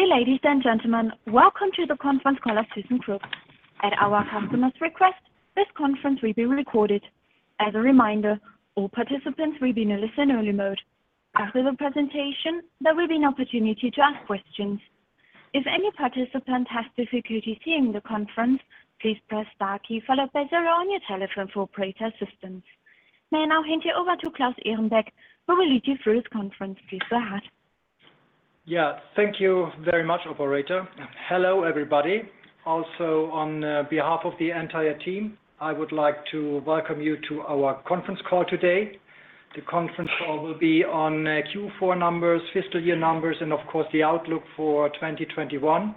Dear ladies and gentlemen, welcome to the conference call of thyssenkrupp. At our customer's request, this conference will be recorded. As a reminder, all participants will be in listen-only mode. After the presentation, there will be an opportunity to ask questions. If any participant has specifically the conference please press star key followed by for operator assistance. May I now hand you over to Claus Ehrenbeck, who will lead you through this conference. Please go ahead. Yeah. Thank you very much, operator. Hello, everybody. Also, on behalf of the entire team, I would like to welcome you to our conference call today. The conference call will be on Q4 numbers, fiscal year numbers, of course, the outlook for 2021.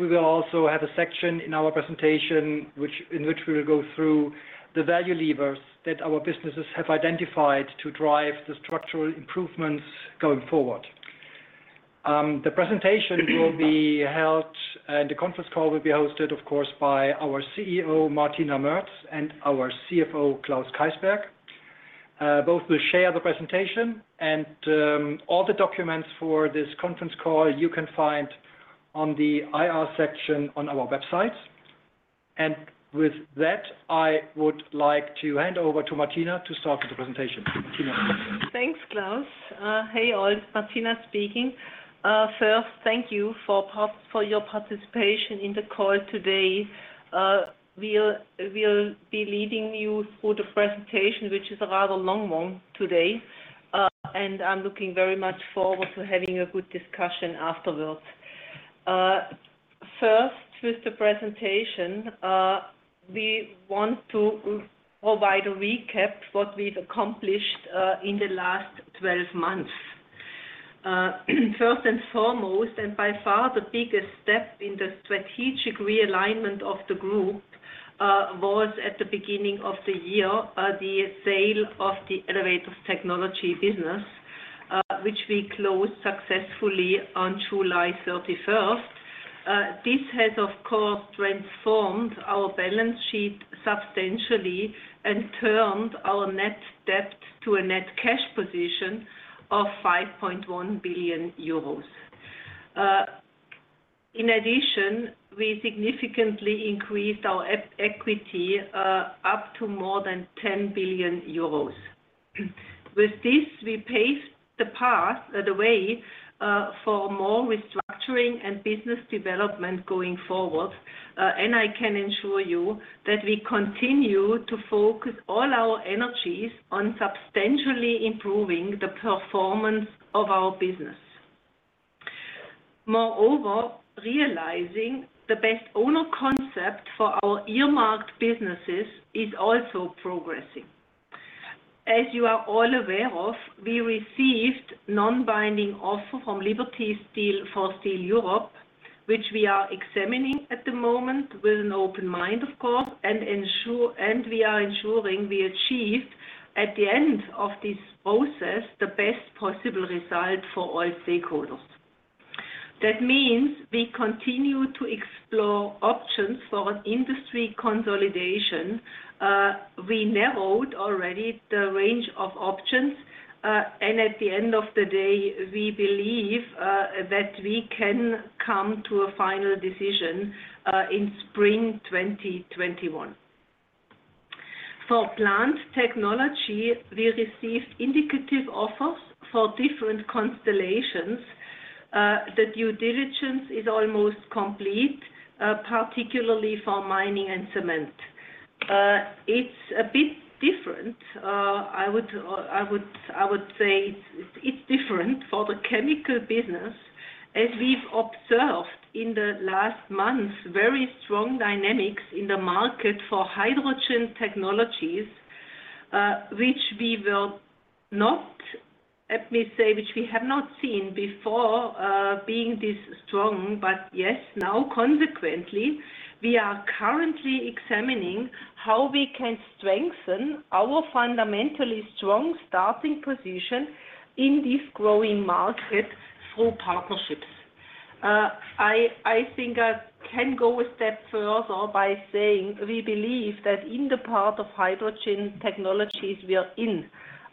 We will also have a section in our presentation in which we will go through the value levers that our businesses have identified to drive the structural improvements going forward. The presentation will be held and the conference call will be hosted, of course, by our CEO, Martina Merz, and our CFO, Klaus Keysberg. Both will share the presentation and all the documents for this conference call you can find on the IR section on our website. With that, I would like to hand over to Martina to start with the presentation. Martina. Thanks, Claus. Hey, all. Martina speaking. First, thank you for your participation in the call today. We'll be leading you through the presentation, which is a rather long one today, and I'm looking very much forward to having a good discussion afterwards. First, with the presentation, we want to provide a recap what we've accomplished in the last 12 months. First and foremost, and by far the biggest step in the strategic realignment of the group, was at the beginning of the year, the sale of the Elevator Technology business, which we closed successfully on July 31st. This has, of course, transformed our balance sheet substantially and turned our net debt to a net cash position of 5.1 billion euros. In addition, we significantly increased our equity up to more than 10 billion euros. With this, we paved the path, the way, for more restructuring and business development going forward. I can ensure you that we continue to focus all our energies on substantially improving the performance of our business. Moreover, realizing the best owner concept for our earmarked businesses is also progressing. As you are all aware of, we received non-binding offer from Liberty Steel for Steel Europe, which we are examining at the moment with an open mind, of course, and we are ensuring we achieve, at the end of this process, the best possible result for all stakeholders. That means we continue to explore options for an industry consolidation. We narrowed already the range of options, and at the end of the day, we believe that we can come to a final decision in spring 2021. For Plant Technology, we received indicative offers for different constellations. The due diligence is almost complete, particularly for mining and cement. It's a bit different, I would say, it's different for the chemical business, as we've observed in the last month, very strong dynamics in the market for hydrogen technologies, which we have not seen before being this strong. Yes, now consequently, we are currently examining how we can strengthen our fundamentally strong starting position in this growing market through partnerships. I think I can go a step further by saying we believe that in the part of hydrogen technologies we are in,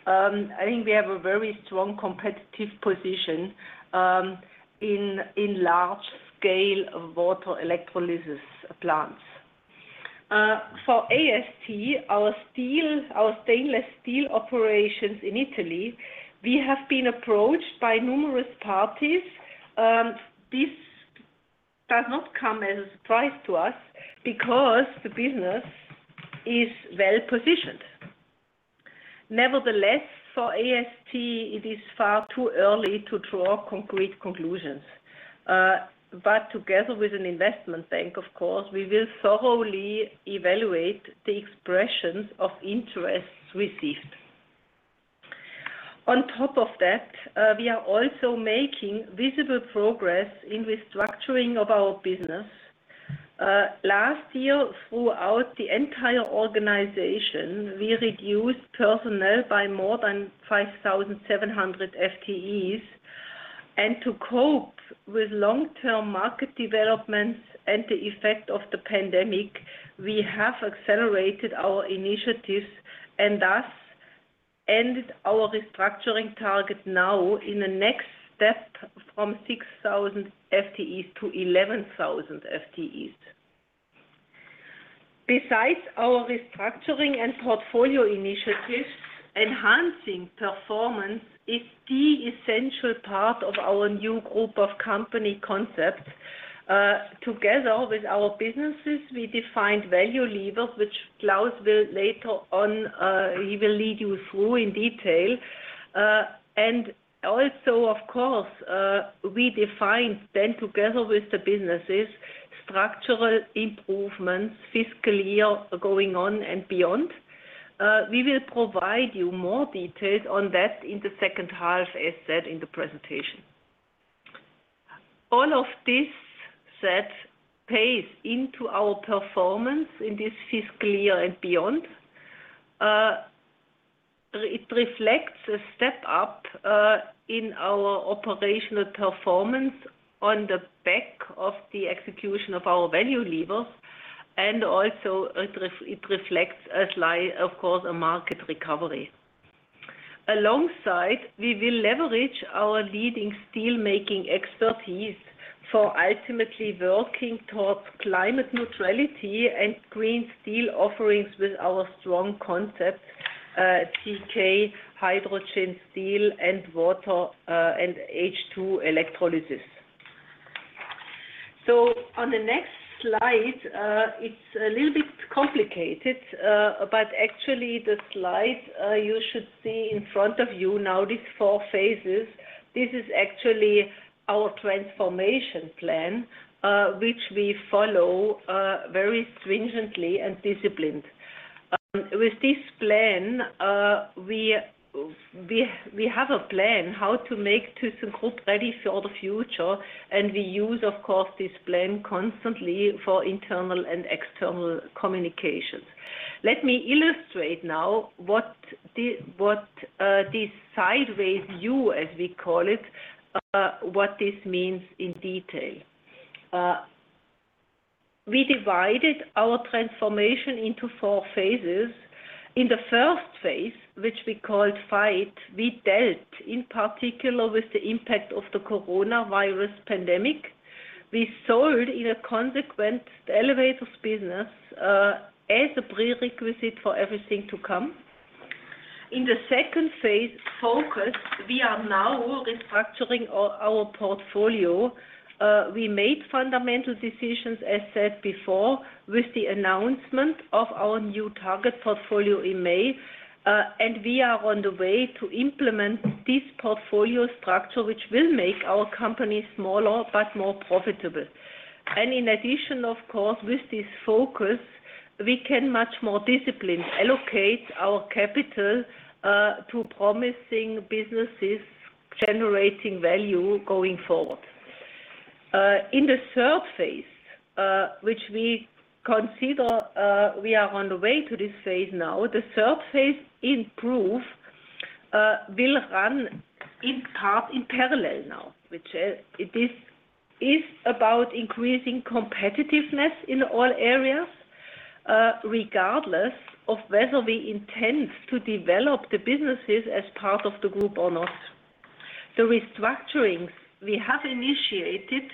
I think we have a very strong competitive position in large scale water electrolysis plants. For AST, our stainless steel operations in Italy, we have been approached by numerous parties. This does not come as a surprise to us because the business is well-positioned. Nevertheless, for AST, it is far too early to draw concrete conclusions. Together with an investment bank, of course, we will thoroughly evaluate the expressions of interest received. On top of that, we are also making visible progress in restructuring of our business. Last year, throughout the entire organization, we reduced personnel by more than 5,700 FTEs. To cope with long-term market developments and the effect of the pandemic, we have accelerated our initiatives and thus ended our restructuring target now in the next step from 6,000 FTEs to 11,000 FTEs. Besides our restructuring and portfolio initiatives, enhancing performance is the essential part of our new group of company concepts. Together with our businesses, we defined value levers, which Klaus will later on lead you through in detail. Also, of course, we defined then together with the businesses, structural improvements, fiscal year going on and beyond. We will provide you more details on that in the second half, as said in the presentation. All of this said pays into our performance in this fiscal year and beyond. It reflects a step up in our operational performance on the back of the execution of our value levers. Also, it reflects a slight, of course, a market recovery. Alongside, we will leverage our leading steelmaking expertise for ultimately working towards climate neutrality and green steel offerings with our strong concept, tkH2Steel, and water, and H2 electrolysis. On the next slide, it's a little bit complicated, but actually the slide you should see in front of you now, these four phases, this is actually our transformation plan, which we follow very stringently and disciplined. With this plan, we have a plan how to make thyssenkrupp ready for the future. We use, of course, this plan constantly for internal and external communications. Let me illustrate now what this sideways U, as we call it, what this means in detail. We divided our transformation into four phases. In the first phase, which we called Fight, we dealt in particular with the impact of the coronavirus pandemic. We sold in a consequent, the Elevators business, as a prerequisite for everything to come. In the second phase, Focus, we are now restructuring our portfolio. We made fundamental decisions, as said before, with the announcement of our new target portfolio in May. We are on the way to implement this portfolio structure, which will make our company smaller but more profitable. In addition, of course, with this focus, we can much more disciplined allocate our capital, to promising businesses generating value going forward. In the third phase, which we consider, we are on the way to this phase now. The third phase, Improve, will run in part in parallel now, which is about increasing competitiveness in all areas, regardless of whether we intend to develop the businesses as part of the group or not. The restructurings we have initiated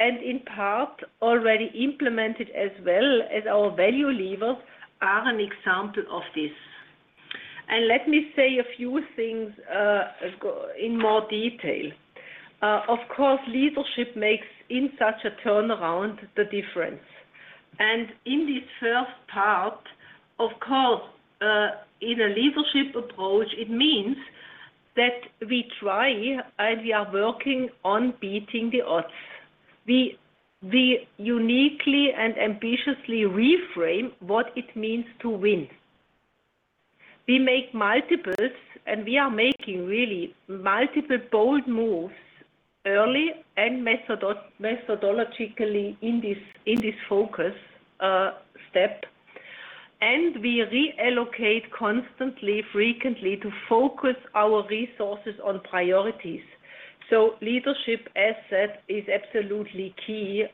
and in part already implemented, as well as our value levers, are an example of this. Let me say a few things in more detail. Of course, leadership makes in such a turnaround, the difference. In this first part, of course, in a leadership approach, it means that we try and we are working on beating the odds. We uniquely and ambitiously reframe what it means to win. We make multiples, we are making really multiple bold moves early and methodologically in this focus step. We reallocate constantly, frequently to focus our resources on priorities. Leadership, as said, is absolutely key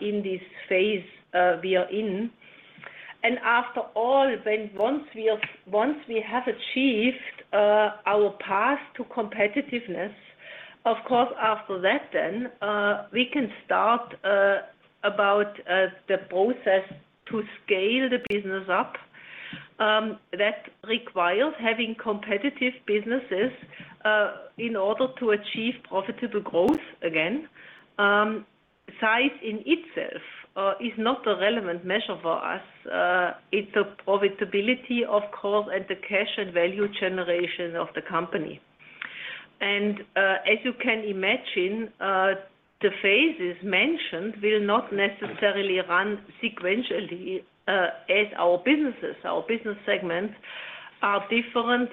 in this phase we are in. After all, once we have achieved our path to competitiveness, of course, after that then, we can start about the process to scale the business up. That requires having competitive businesses, in order to achieve profitable growth again. Size in itself, is not a relevant measure for us. It's the profitability, of course, and the cash and value generation of the company. As you can imagine, the phases mentioned will not necessarily run sequentially, as our businesses, our business segments are different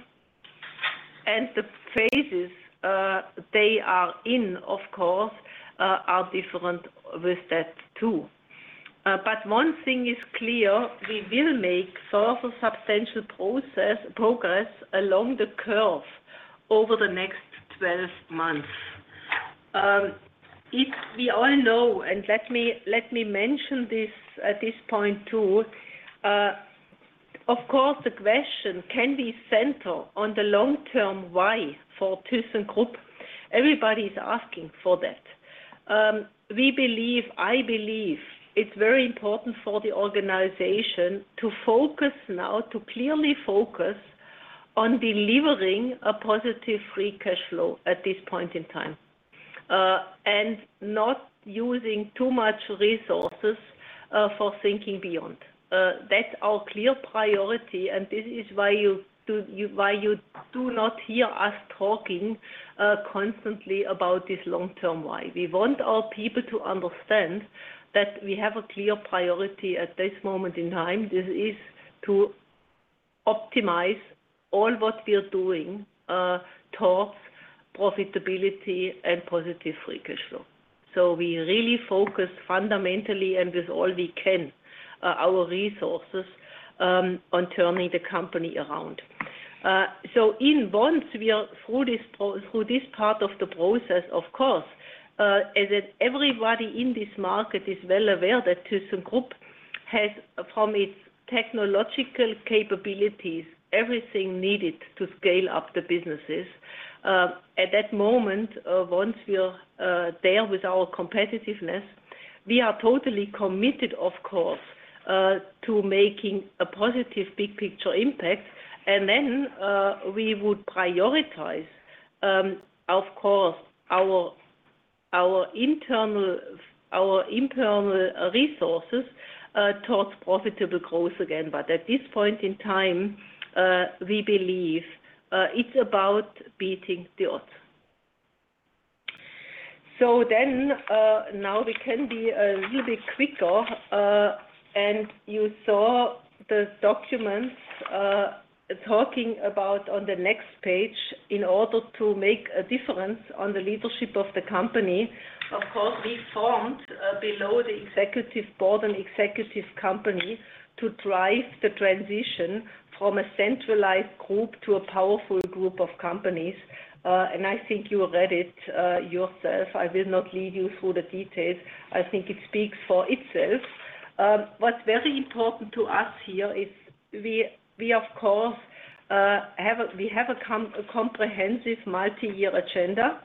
and the phases they are in, of course, are different with that, too. One thing is clear, we will make further substantial progress along the curve over the next 12 months. We all know, let me mention this at this point, too. Of course, the question can be centered on the long-term "why" for thyssenkrupp. Everybody's asking for that. We believe, I believe, it's very important for the organization to clearly focus on delivering a positive free cash flow at this point in time and not using too much resources for thinking beyond. That's our clear priority, and this is why you do not hear us talking constantly about this long-term "why." We want our people to understand that we have a clear priority at this moment in time. This is to optimize all that we are doing towards profitability and positive free cash flow. We really focus fundamentally and with all we can, our resources, on turning the company around. Once we are through this part of the process, of course, is that everybody in this market is well aware that thyssenkrupp has, from its technological capabilities, everything needed to scale up the businesses. At that moment, once we are there with our competitiveness, we are totally committed, of course, to making a positive big picture impact. Then we would prioritize, of course, our internal resources towards profitable growth again. At this point in time, we believe it's about beating the odds. Now we can be a little bit quicker. You saw the documents talking about on the next page, in order to make a difference on the leadership of the company, of course, we formed below the executive board, an executive company to drive the transition from a centralized group to a powerful group of companies. I think you read it yourself. I will not lead you through the details. I think it speaks for itself. What's very important to us here is we, of course, have a comprehensive multi-year agenda.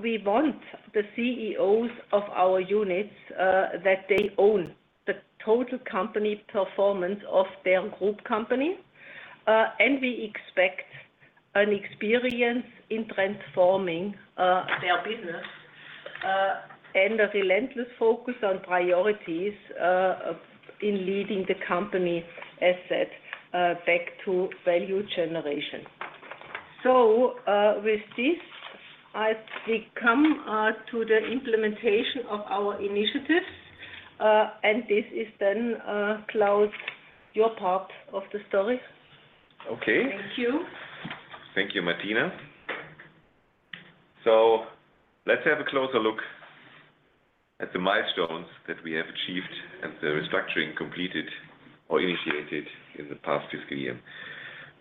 We want the CEOs of our units that they own the total company performance of their group company, and we expect an experience in transforming their business and a relentless focus on priorities in leading the company assets back to value generation. With this, we come to the implementation of our initiatives. This is then, Klaus, your part of the story. Okay. Thank you. Thank you, Martina. Let's have a closer look at the milestones that we have achieved and the restructuring completed or initiated in the past fiscal year.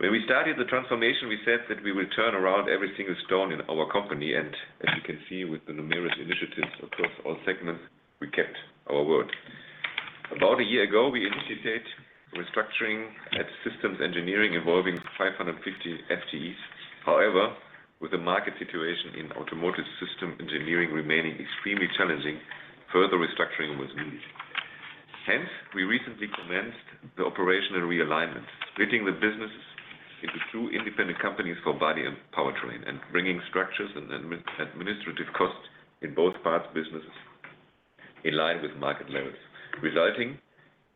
When we started the transformation, we said that we will turn around every single stone in our company, and as you can see with the numerous initiatives across all segments, we kept our word. About a year ago, we initiated restructuring at System Engineering, involving 550 FTEs. With the market situation in Automotive System Engineering remaining extremely challenging, further restructuring was needed. We recently commenced the operational realignment, splitting the businesses into two independent companies for body and powertrain and bringing structures and administrative costs in both parts businesses in line with market levels, resulting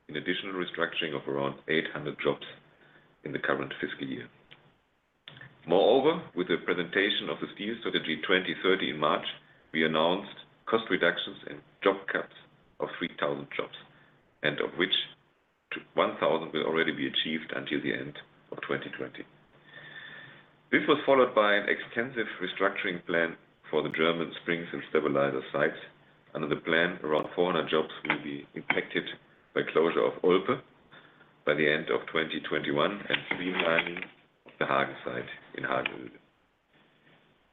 in additional restructuring of around 800 jobs in the current fiscal year. Moreover, with the presentation of the Steel Strategy 20-30 in March, we announced cost reductions and job cuts of 3,000 jobs, and of which 1,000 will already be achieved until the end of 2020. This was followed by an extensive restructuring plan for the German springs and stabilizer sites. Under the plan, around 400 jobs will be impacted by closure of Olpe by the end of 2021 and streamlining of the Hagen site in Hagen.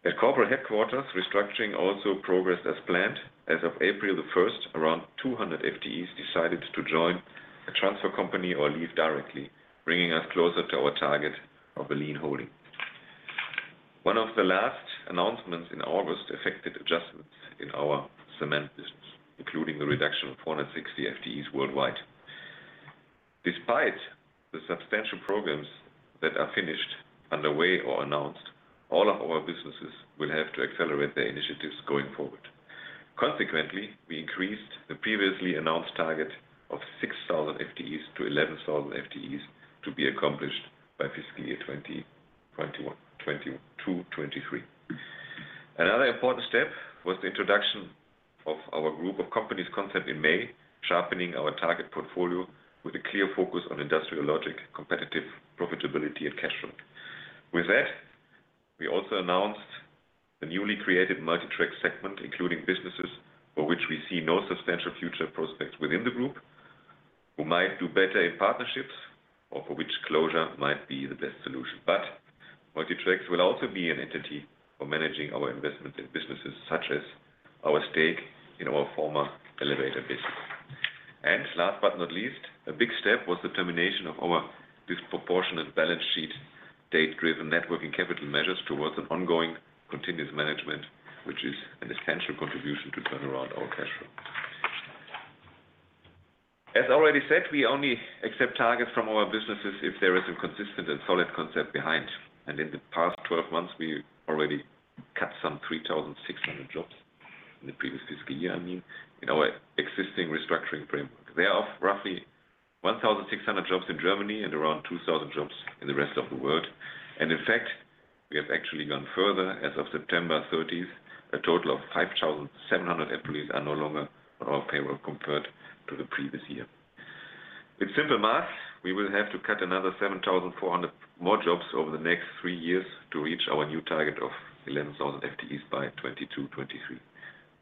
At corporate headquarters, restructuring also progressed as planned. As of April 1st, around 200 FTEs decided to join a transfer company or leave directly, bringing us closer to our target of a lean holding. One of the last announcements in August affected adjustments in our cement business, including the reduction of 460 FTEs worldwide. Despite the substantial programs that are finished, underway, or announced, all of our businesses will have to accelerate their initiatives going forward. Consequently, we increased the previously announced target of 6,000 FTEs to 11,000 FTEs to be accomplished by fiscal year 2022/23. Another important step was the introduction of our group of companies concept in May, sharpening our target portfolio with a clear focus on industrial logic, competitive profitability, and cash flow. We also announced the newly created Multi Tracks segment, including businesses for which we see no substantial future prospects within the group, who might do better in partnerships, or for which closure might be the best solution. Multi Tracks will also be an entity for managing our investments in businesses such as our stake in our former Elevator Technology. Last but not least, a big step was the termination of our disproportionate balance sheet, debt-driven net working capital measures towards an ongoing continuous management, which is an essential contribution to turn around our cash flow. As already said, we only accept targets from our businesses if there is a consistent and solid concept behind. In the past 12 months, we already cut some 3,600 jobs in the previous fiscal year in our existing restructuring framework. There are roughly 1,600 jobs in Germany and around 2,000 jobs in the rest of the world. In fact, we have actually gone further as of September 30th, a total of 5,700 employees are no longer on our payroll compared to the previous year. In simple math, we will have to cut another 7,400 more jobs over the next three years to reach our new target of 11,000 FTEs by 2022/2023.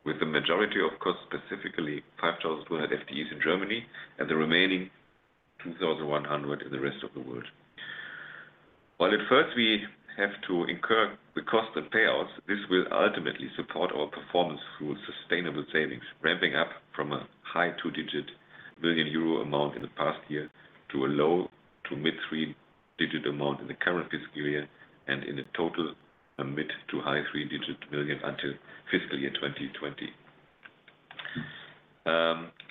With the majority, of course, specifically 5,200 FTEs in Germany and the remaining 2,100 in the rest of the world. While at first we have to incur the cost of payouts, this will ultimately support our performance through sustainable savings, ramping up from a high two-digit million euro amount in the past year to a low to mid-three digit euro amount in the current fiscal year and in the total a mid to high three-digit million euro until fiscal year 2020.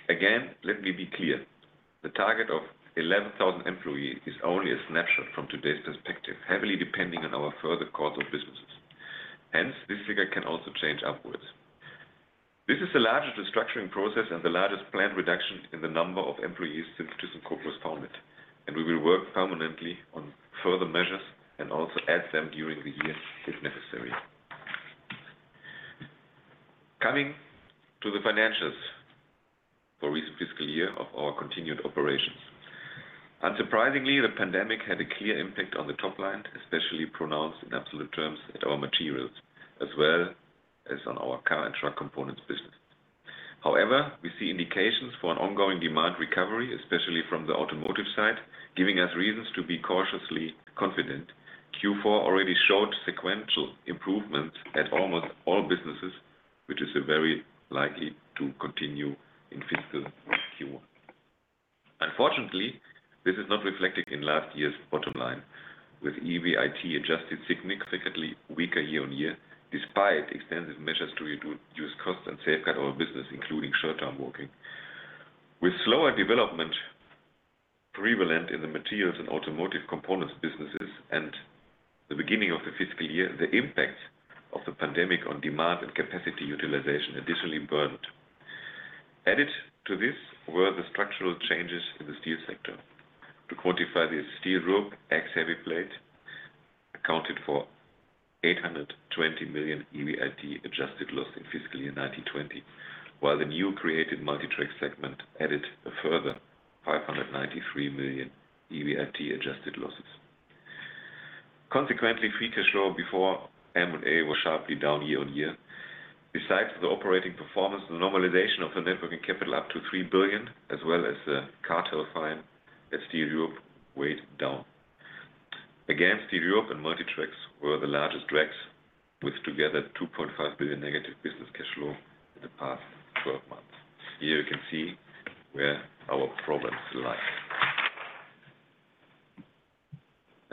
Again, let me be clear. The target of 11,000 employees is only a snapshot from today's perspective, heavily depending on our further course of businesses. Hence, this figure can also change upwards. This is the largest restructuring process and the largest planned reduction in the number of employees since thyssenkrupp was founded. We will work permanently on further measures and also add them during the year if necessary. Coming to the financials for recent fiscal year of our continued operations. Unsurprisingly, the pandemic had a clear impact on the top line, especially pronounced in absolute terms at our Materials Services as well as on our Automotive Technology business. However, we see indications for an ongoing demand recovery, especially from the automotive side, giving us reasons to be cautiously confident. Q4 already showed sequential improvements at almost all businesses, which is very likely to continue in fiscal Q1. Unfortunately, this is not reflected in last year's bottom line, with EBIT adjusted significantly weaker year-on-year despite extensive measures to reduce costs and safeguard our business, including short-term working. With slower development prevalent in the Materials Services and Automotive Technology businesses and the beginning of the fiscal year, the impact of the pandemic on demand and capacity utilization additionally burdened. Added to this were the structural changes in the steel sector. To quantify this, Steel Europe ex Heavy Plate accounted for 820 million EBIT adjusted loss in fiscal year 2019/2020, while the new created Multi Tracks segment added a further 593 million EBIT adjusted losses. Consequently, free cash flow before M&A was sharply down year-on-year. Besides the operating performance, the normalization of the net working capital up to 3 billion, as well as the cartel fine at Steel Europe, weighed down. Steel Europe and Multi Tracks were the largest drags, with together 2.5 billion negative business cash flow in the past 12 months. Here you can see where our problems lie.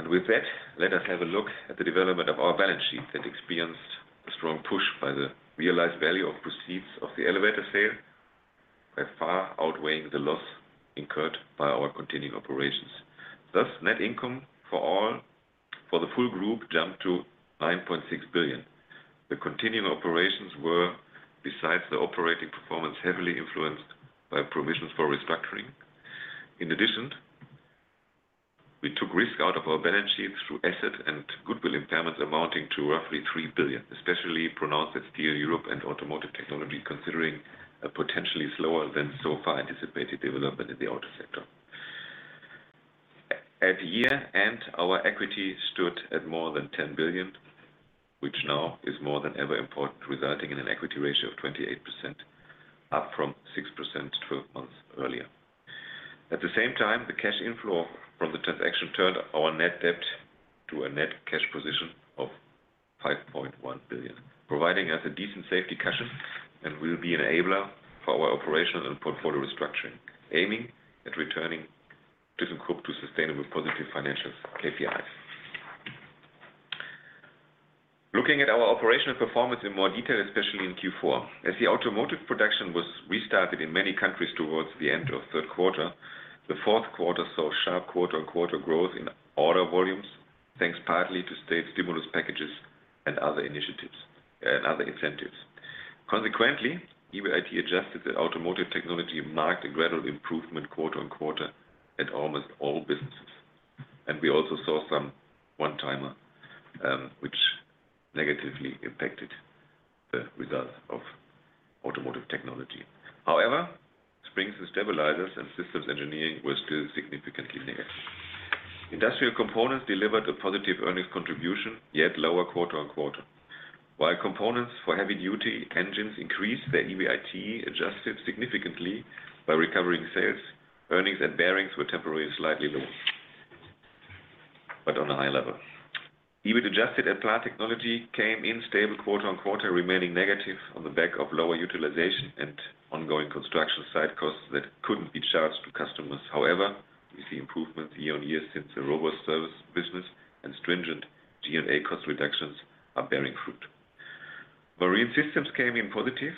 With that, let us have a look at the development of our balance sheet that experienced a strong push by the realized value of proceeds of the elevator sale by far outweighing the loss incurred by our continuing operations. Thus, net income for the full group jumped to 9.6 billion. The continuing operations were, besides the operating performance, heavily influenced by provisions for restructuring. In addition, we took risk out of our balance sheet through asset and goodwill impairments amounting to roughly 3 billion, especially pronounced at Steel Europe and Automotive Technology, considering a potentially slower than so far anticipated development in the auto sector. At year-end, our equity stood at more than 10 billion, which now is more than ever important, resulting in an equity ratio of 28%, up from 6% 12 months earlier. At the same time, the cash inflow from the transaction turned our net debt to a net cash position of 5.1 billion, providing us a decent safety cushion and will be an enabler for our operational and portfolio restructuring, aiming at returning thyssenkrupp to sustainable positive financials KPIs. Looking at our operational performance in more detail, especially in Q4. As the automotive production was restarted in many countries towards the end of third quarter, the fourth quarter saw sharp quarter-on-quarter growth in order volumes, thanks partly to state stimulus packages and other initiatives and other incentives. Consequently, EBIT adjusted the Automotive Technology marked a gradual improvement quarter-on-quarter at almost all businesses. We also saw some one-timer, which negatively impacted the results of Automotive Technology. However, springs and stabilizers and System Engineering were still significantly negative. Industrial Components delivered a positive earnings contribution, yet lower quarter-on-quarter. While components for heavy-duty engines increased their EBIT adjusted significantly by recovering sales, earnings and Bearings were temporarily slightly low, but on a high level. EBIT adjusted and Plant Technology came in stable quarter-on-quarter, remaining negative on the back of lower utilization and ongoing construction site costs that couldn't be charged to customers. We see improvement year-over-year since the robust service business and stringent G&A cost reductions are bearing fruit. Marine Systems came in positive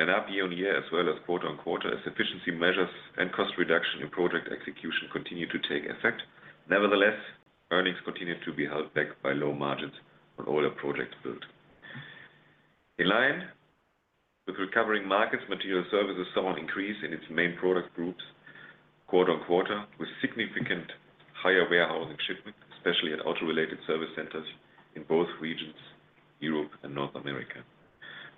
and up year-over-year as well as quarter-on-quarter, as efficiency measures and cost reduction in project execution continued to take effect. Earnings continued to be held back by low margins on older projects built. In line with recovering markets, Materials Services saw an increase in its main product groups quarter-on-quarter, with significant higher warehousing shipments, especially at auto-related service centers in both regions, Europe and North America.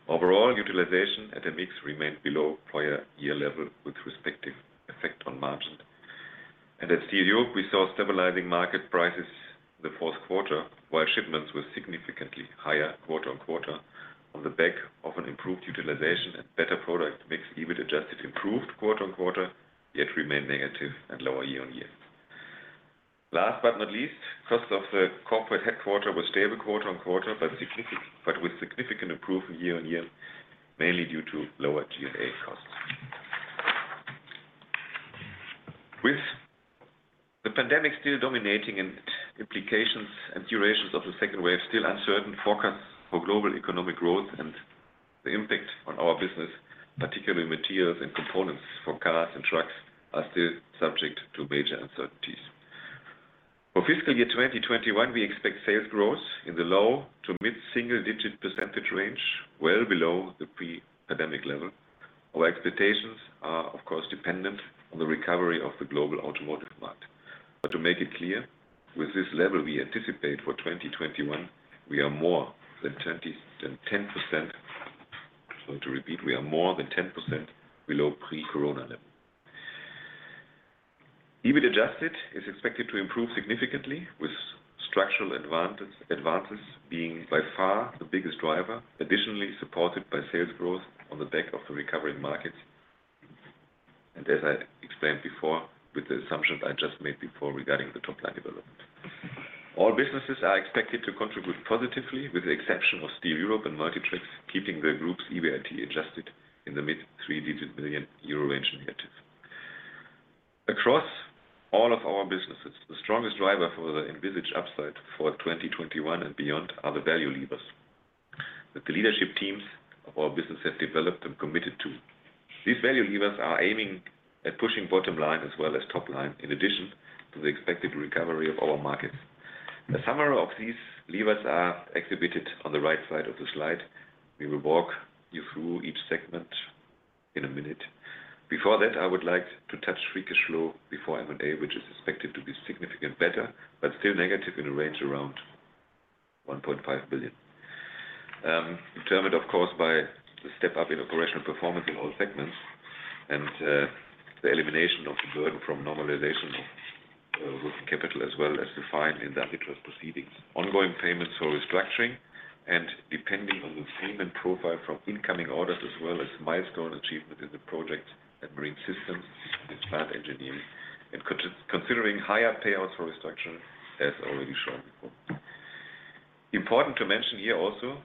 Utilization at the mix remained below prior year level, with respective effect on margin. At Steel Europe, we saw stabilizing market prices the fourth quarter, while shipments were significantly higher quarter-on-quarter on the back of an improved utilization and better product mix. EBIT adjusted improved quarter-on-quarter, yet remained negative and lower year-on-year. Last but not least, costs of the corporate headquarter were stable quarter-on-quarter, but with significant improvement year-on-year, mainly due to lower G&A costs. With the pandemic still dominating and implications and durations of the second wave still uncertain, forecasts for global economic growth and the impact on our business, particularly materials and components for cars and trucks, are still subject to major uncertainties. For fiscal year 2021, we expect sales growth in the low to mid-single-digit percentage range, well below the pre-pandemic level. Our expectations are, of course, dependent on the recovery of the global automotive market. To make it clear, with this level we anticipate for 2021, we are more than 10% below pre-corona level. EBIT adjusted is expected to improve significantly, with structural advances being by far the biggest driver, additionally supported by sales growth on the back of the recovering markets, and as I explained before, with the assumptions I just made before regarding the top-line development. All businesses are expected to contribute positively, with the exception of Steel Europe and Multi Tracks keeping the group's EBIT adjusted in the mid three-digit million euro range negative. Across all of our businesses, the strongest driver for the envisaged upside for 2021 and beyond are the value levers that the leadership teams of our businesses developed and committed to. These value levers are aiming at pushing bottom line as well as top line, in addition to the expected recovery of our markets. A summary of these levers are exhibited on the right side of the slide. We will walk you through each segment in a minute. Before that, I would like to touch free cash flow before M&A, which is expected to be significantly better, but still negative in a range around 1.5 billion. Determined, of course, by the step-up in operational performance in all segments and the elimination of the burden from normalization of working capital as well as the fine in the antitrust proceedings, ongoing payments for restructuring, and depending on the payment profile from incoming orders as well as milestone achievement in the project at Marine Systems and Plant Technology, and considering higher payouts for restructuring, as already shown before. Important to mention here also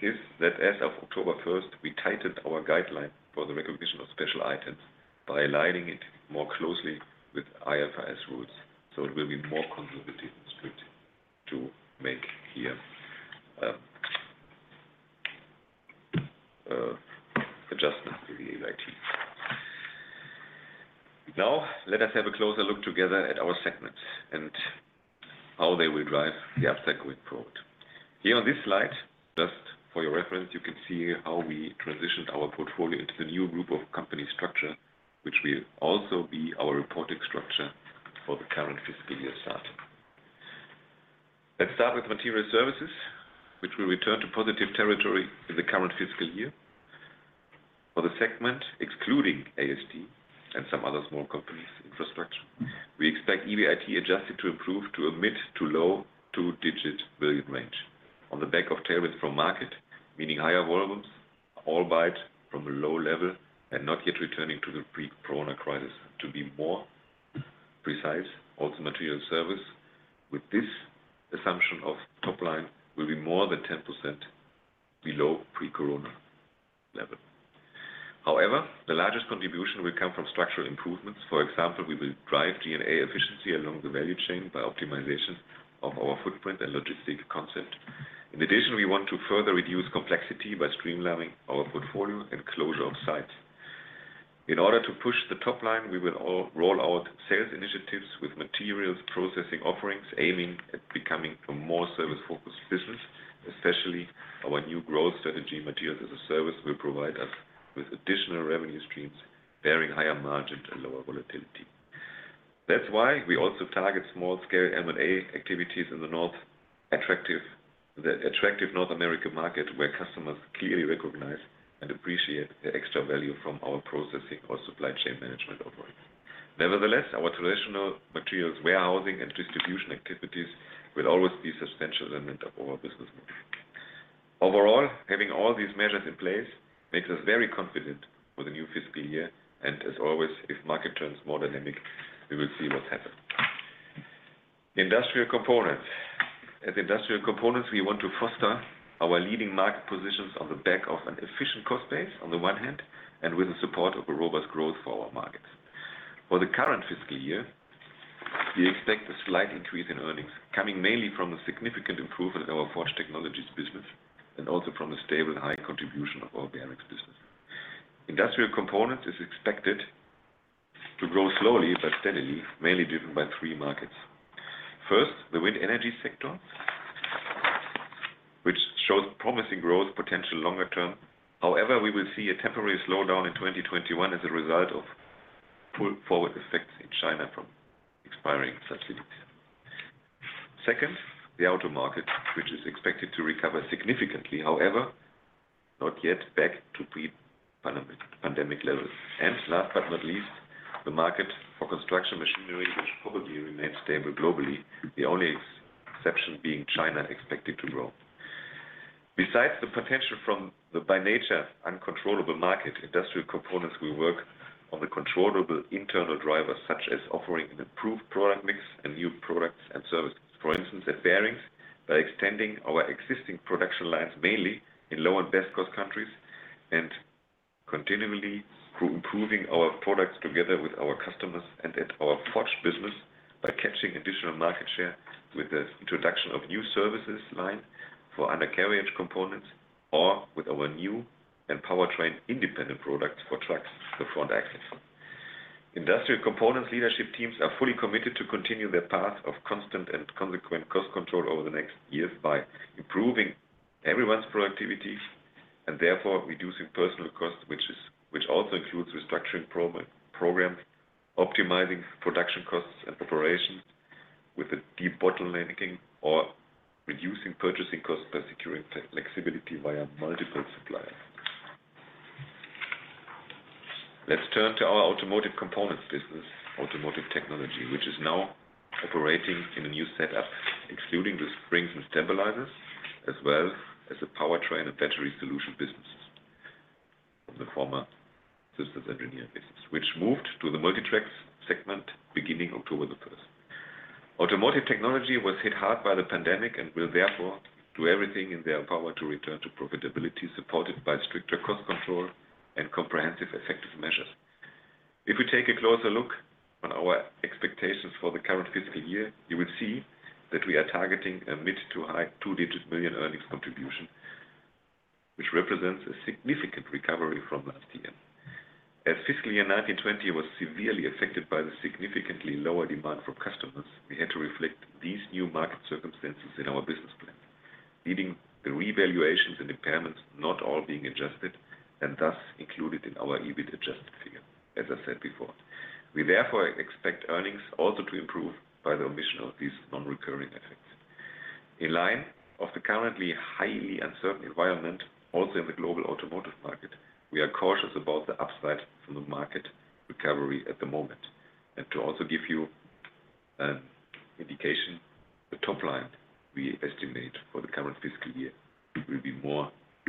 is that as of October 1st, we tightened our guideline for the recognition of special items by aligning it more closely with IFRS rules, it will be more conservative split to make here adjustments to the EBIT. Now, let us have a closer look together at our segments and how they will drive the upside going forward. Here on this slide, just for your reference, you can see how we transitioned our portfolio into the new group of company structure, which will also be our reporting structure for the current fiscal year start. Let's start with Materials Services, which will return to positive territory in the current fiscal year. For the segment, excluding AST and some other small companies, infrastructure, we expect EBIT adjusted to improve to a mid to low two-digit million euro range on the back of tailwinds from market, meaning higher volumes, albeit from a low level and not yet returning to the pre-corona crisis. To be more precise, Auto Materials Services with this assumption of top line will be more than 10% below pre-corona level. The largest contribution will come from structural improvements. For example, we will drive G&A efficiency along the value chain by optimization of our footprint and logistic concept. In addition, we want to further reduce complexity by streamlining our portfolio and closure of sites. In order to push the top line, we will roll out sales initiatives with materials processing offerings, aiming at becoming a more service-focused business. Especially our new growth strategy, Materials as a Service, will provide us with additional revenue streams bearing higher margins and lower volatility. That's why we also target small-scale M&A activities in the North, the attractive North American market where customers clearly recognize and appreciate the extra value from our processing or supply chain management offerings. Nevertheless, our traditional materials warehousing and distribution activities will always be a substantial element of our business model. Overall, having all these measures in place makes us very confident for the new fiscal year. As always, if market turns more dynamic, we will see what happens. Industrial Components. At Industrial Components, we want to foster our leading market positions on the back of an efficient cost base on the one hand, and with the support of a robust growth for our markets. For the current fiscal year, we expect a slight increase in earnings, coming mainly from the significant improvement of our Forged Technologies business and also from the stable and high contribution of our Bearings business. Industrial Components is expected to grow slowly but steadily, mainly driven by three markets. First, the wind energy sector, which shows promising growth potential longer term. We will see a temporary slowdown in 2021 as a result of pull-forward effects in China from expiring subsidies. Second, the auto market, which is expected to recover significantly, however, not yet back to pre-pandemic levels. Last but not least, the market for construction machinery, which probably remains stable globally. The only exception being China expected to grow. Besides the potential from the, by nature, uncontrollable market, Industrial Components will work on the controllable internal drivers such as offering an improved product mix and new products and services. For instance, at Bearings, by extending our existing production lines mainly in low and best-cost countries, and continually improving our products together with our customers and at our Forged business by catching additional market share with the introduction of new services line for undercarriage components or with our new and powertrain-independent products for trucks, the front axle. Industrial Components leadership teams are fully committed to continue their path of constant and consequent cost control over the next years by improving everyone's productivity and therefore reducing personal costs, which also includes restructuring programs, optimizing production costs and operations with a deep bottlenecking or reducing purchasing cost by securing flexibility via multiple suppliers. Let's turn to our Automotive Components business, Automotive Technology, which is now operating in a new setup, excluding the springs and stabilizers, as well as the powertrain and battery solution businesses from the former System Engineering business, which moved to the Multi Tracks segment beginning October 1st. Automotive Technology was hit hard by the pandemic and will therefore do everything in their power to return to profitability supported by stricter cost control and comprehensive effective measures. If we take a closer look on our expectations for the current fiscal year, you will see that we are targeting a mid to high two-digit million euro earnings contribution, which represents a significant recovery from last year. As fiscal year 2019/2020 was severely affected by the significantly lower demand from customers, we had to reflect these new market circumstances in our business plan, leading the revaluations and impairments not all being adjusted and thus included in our EBIT-adjusted figure, as I said before. We therefore expect earnings also to improve by the omission of these non-recurring effects. In line of the currently highly uncertain environment, also in the global automotive market, we are cautious about the upside from the market recovery at the moment. To also give you an indication, the top line we estimate for the current fiscal year will be more 20%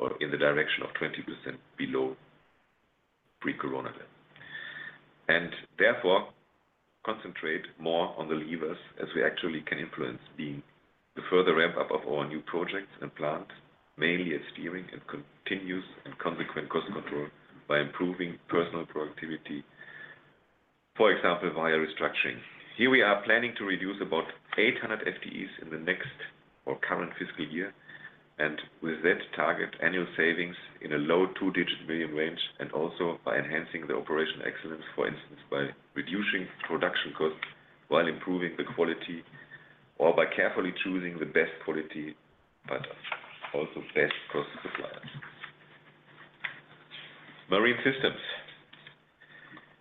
or in the direction of 20% below pre-coronavirus. Therefore concentrate more on the levers as we actually can influence the further ramp-up of our new projects and plants, mainly at Steering and continuous and consequent cost control by improving personal productivity, for example, via restructuring. Here we are planning to reduce about 800 FTEs in the next or current fiscal year, and with that target annual savings in a low two-digit million euro range, and also by enhancing the operational excellence, for instance, by reducing production costs while improving the quality or by carefully choosing the best quality but also best cost suppliers. Marine Systems.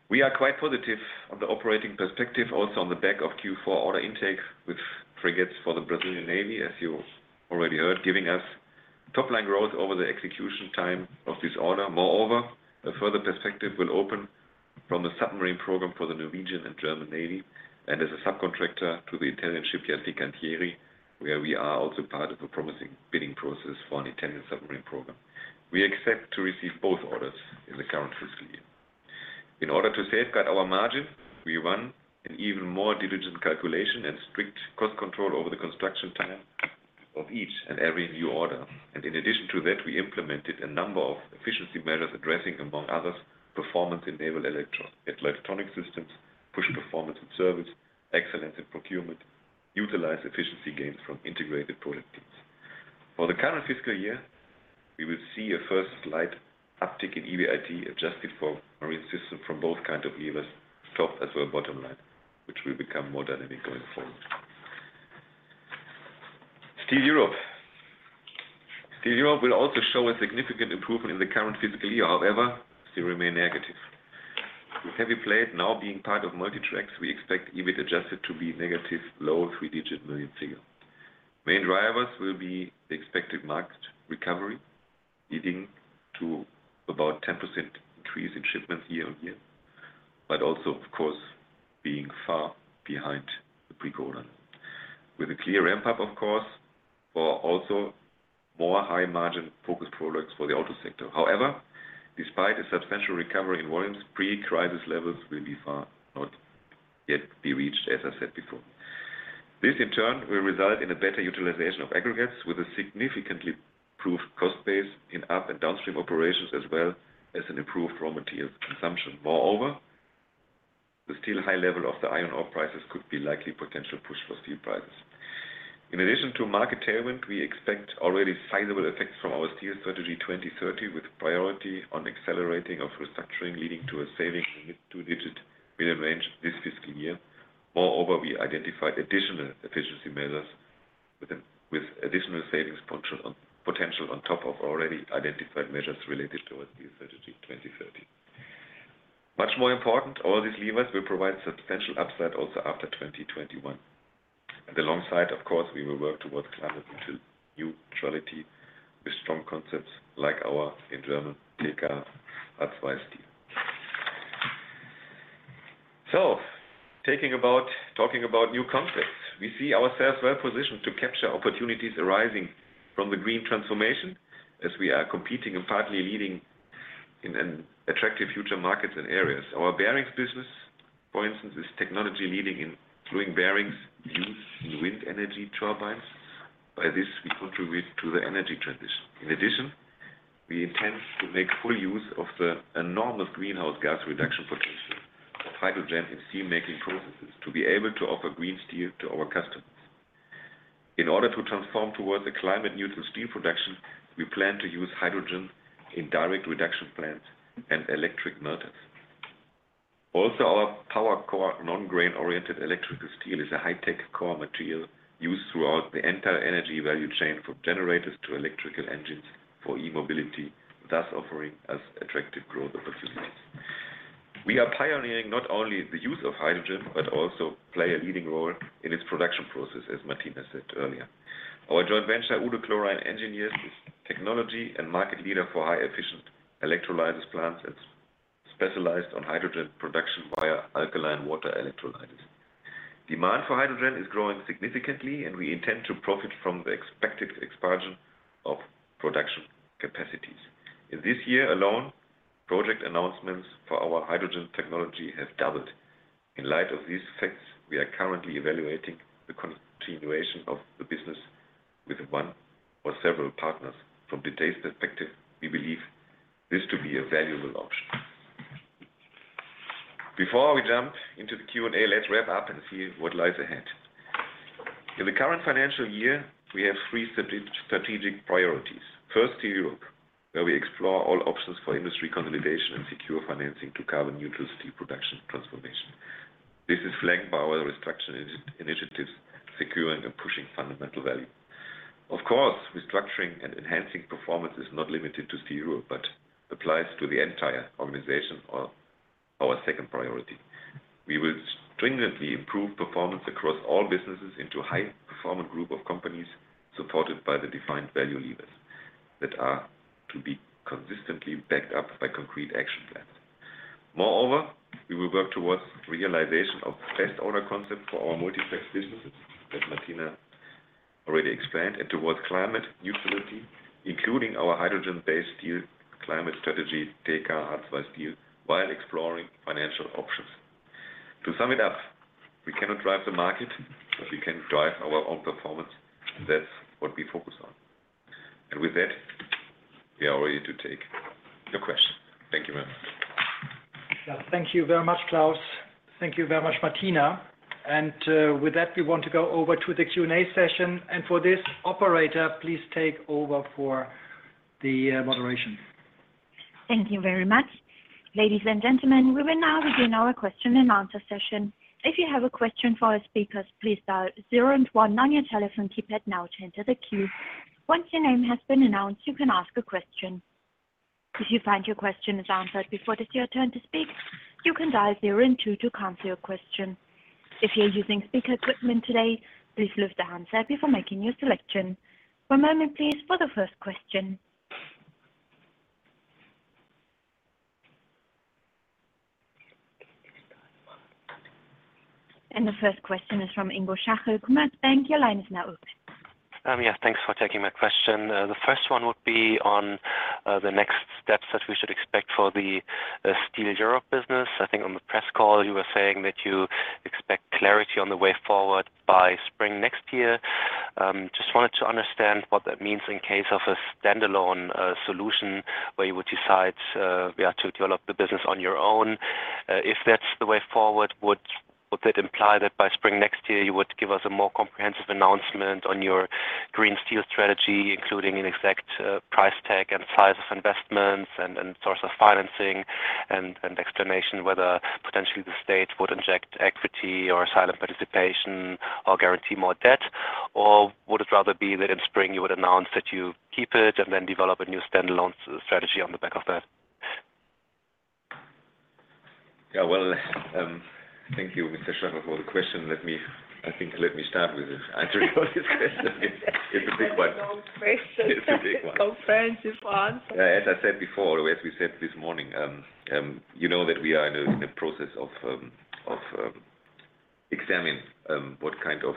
We are quite positive on the operating perspective also on the back of Q4 order intake with frigates for the Brazilian Navy, as you already heard, giving us top-line growth over the execution time of this order. Moreover, a further perspective will open from the submarine program for the Norwegian and German Navy and as a subcontractor to the Italian shipyard, Fincantieri, where we are also part of a promising bidding process for an Italian submarine program. We expect to receive both orders in the current fiscal year. In order to safeguard our margin, we run an even more diligent calculation and strict cost control over the construction time of each and every new order. In addition to that, we implemented a number of efficiency measures addressing, among others, performance in naval electronic systems, push performance in service, excellence in procurement, utilize efficiency gains from integrated product teams. For the current fiscal year, we will see a first slight uptick in EBIT adjusted for Marine Systems from both kinds of levers, top as well bottom line, which will become more dynamic going forward. Steel Europe. Steel Europe will also show a significant improvement in the current fiscal year. They remain negative. With Heavy Plate now being part of Multi Tracks, we expect EBIT adjusted to be negative low three-digit million euro figure. Main drivers will be the expected market recovery, leading to about 10% increase in shipments year on year. Of course, being far behind the pre-COVID. With a clear ramp-up, of course, for also more high-margin focused products for the auto sector. Despite a substantial recovery in volumes, pre-crisis levels will be far not yet be reached, as I said before. This, in turn, will result in a better utilization of aggregates with a significantly improved cost base in up- and downstream operations, as well as an improved raw material consumption. The still high level of the iron ore prices could be likely potential push for steel prices. In addition to market tailwind, we expect already sizable effects from our Steel Strategy 20-30, with priority on accelerating of restructuring, leading to a saving in mid-two digit million range this fiscal year. We identified additional efficiency measures with additional savings potential on top of already identified measures related towards Steel Strategy 20-30. Much more important, all these levers will provide substantial upside also after 2021. Alongside, of course, we will work towards climate neutral neutrality with strong concepts like our, in German. Talking about new concepts. We see ourselves well-positioned to capture opportunities arising from the green transformation, as we are competing and partly leading in attractive future markets and areas. Our Bearings business, for instance, is technology leading in fluid bearings used in wind energy turbines. By this, we contribute to the energy transition. In addition, we intend to make full use of the enormous greenhouse gas reduction potential of hydrogen in steelmaking processes to be able to offer green steel to our customers. In order to transform towards a climate neutral steel production, we plan to use hydrogen in direct reduction plants and electric melters. Also, our powercore non-grain-oriented electrical steel is a high-tech core material used throughout the entire energy value chain, from generators to electrical engines for e-mobility, thus offering us attractive growth opportunities. We are pioneering not only the use of hydrogen, but also play a leading role in its production process, as Martina said earlier. Our joint venture, Uhde Chlorine Engineers, is technology and market leader for high efficient electrolysis plants and specialized on hydrogen production via alkaline water electrolysis. We intend to profit from the expected expansion of production capacities. In this year alone, project announcements for our hydrogen technology have doubled. In light of these facts, we are currently evaluating the continuation of the business with one or several partners. From detail's perspective, we believe this to be a valuable option. Before we jump into the Q&A, let's wrap up and see what lies ahead. In the current financial year, we have three strategic priorities. First, Steel Europe, where we explore all options for industry consolidation and secure financing to carbon neutral steel production transformation. This is flagged by our restructuring initiatives, securing and pushing fundamental value. Restructuring and enhancing performance is not limited to Steel Europe, but applies to the entire organization, our second priority. We will stringently improve performance across all businesses into high performant group of companies, supported by the defined value levers that are to be consistently backed up by concrete action plans. We will work towards realization of best owner concept for our Multi Tracks businesses, as Martina already explained, and towards climate neutrality, including our hydrogen-based steel climate strategy, while exploring financial options. To sum it up, we cannot drive the market, but we can drive our own performance. That's what we focus on. With that, we are ready to take your questions. Thank you very much. Thank you very much, Klaus. Thank you very much, Martina. With that, we want to go over to the Q&A session. For this, operator, please take over for the moderation. Thank you very much. Ladies and gentlemen, we will now begin our question and answer session. If you have a question for our speakers please dial zero one nine on your telephone keypad to join the queue. If you find your question is answered you can dial star two zero to cancel to your question. If you are using speaker equipment today please the handset before making your selection. A moment please for the first question. And the first question is from Ingo Schachel, Commerzbank. Your line is now open. Yeah, thanks for taking my question. The first one would be on the next steps that we should expect for the Steel Europe business. I think on the press call, you were saying that you expect clarity on the way forward by spring next year. I just wanted to understand what that means in case of a standalone solution where you would decide, yeah, to develop the business on your own. If that's the way forward, would that imply that by spring next year, you would give us a more comprehensive announcement on your green steel strategy, including an exact price tag and size of investments and source of financing and explanation whether potentially the state would inject equity or silent participation or guarantee more debt? Would it rather be that in spring you would announce that you keep it and then develop a new standalone strategy on the back of that? Yeah. Well, thank you, Mr. Schachel for the question. I think let me start with answering your question. It is a big one. It's a long question. It's a big one. Comprehensive one. As I said before, as we said this morning, you know that we are in the process of examining what kind of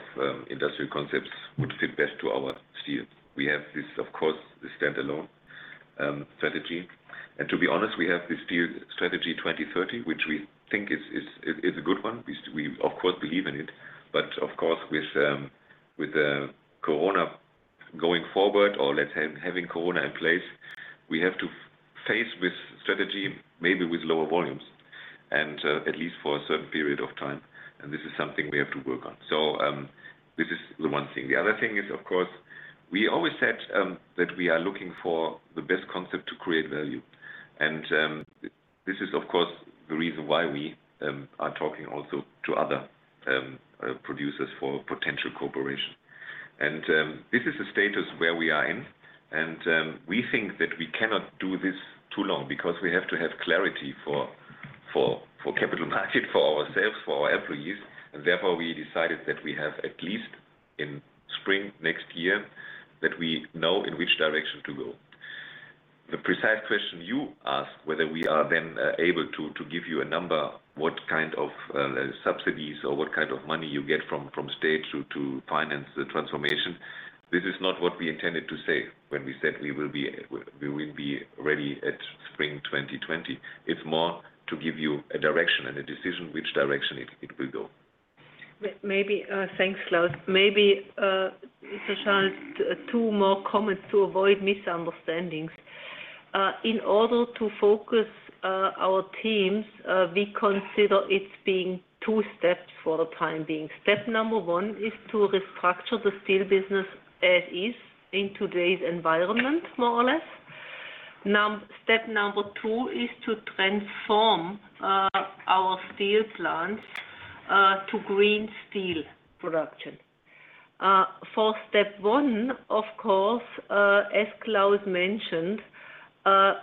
industrial concepts would fit best to our Steel. We have this, of course, the standalone strategy. To be honest, we have the Steel Strategy 20-30, which we think is a good one. We, of course, believe in it. Of course, with the COVID going forward, or let's say having COVID in place, we have to face with strategy, maybe with lower volumes. At least for a certain period of time. This is something we have to work on. This is the one thing. The other thing is, of course, we always said that we are looking for the best concept to create value. This is, of course, the reason why we are talking also to other producers for potential cooperation. This is the status where we are in, and we think that we cannot do this too long because we have to have clarity for capital market, for ourselves, for our employees. Therefore, we decided that we have at least in spring next year, that we know in which direction to go. The precise question you asked, whether we are then able to give you a number, what kind of subsidies or what kind of money you get from state to finance the transformation. This is not what we intended to say when we said we will be ready at spring 2020. It's more to give you a direction and a decision which direction it will go. Thanks, Klaus. Maybe, Mr. Schachel, two more comments to avoid misunderstandings. In order to focus our teams, we consider it being two steps for the time being. Step number one is to restructure the steel business as is in today's environment, more or less. Step number two is to transform our steel plants to green steel production. For step one, of course, as Klaus mentioned,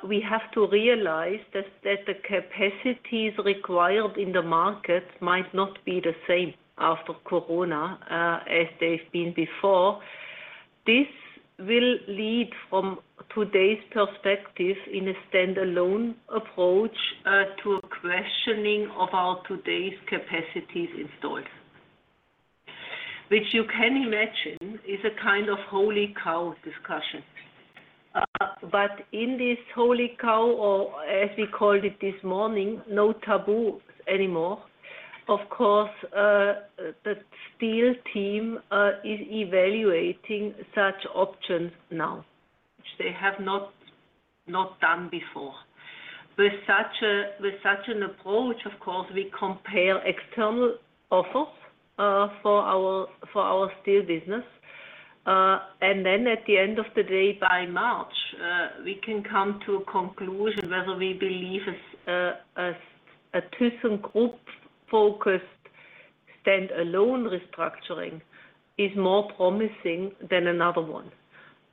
we have to realize that the capacities required in the market might not be the same after COVID, as they've been before. This will lead from today's perspective in a standalone approach, to a questioning of our today's capacities installed. Which you can imagine is a kind of holy cow discussion. In this holy cow, or as we called it this morning, no taboos anymore. Of course, the steel team is evaluating such options now, which they have not done before. With such an approach, of course, we compare external offers for our steel business. Then at the end of the day, by March, we can come to a conclusion whether we believe a thyssenkrupp-focused standalone restructuring is more promising than another one.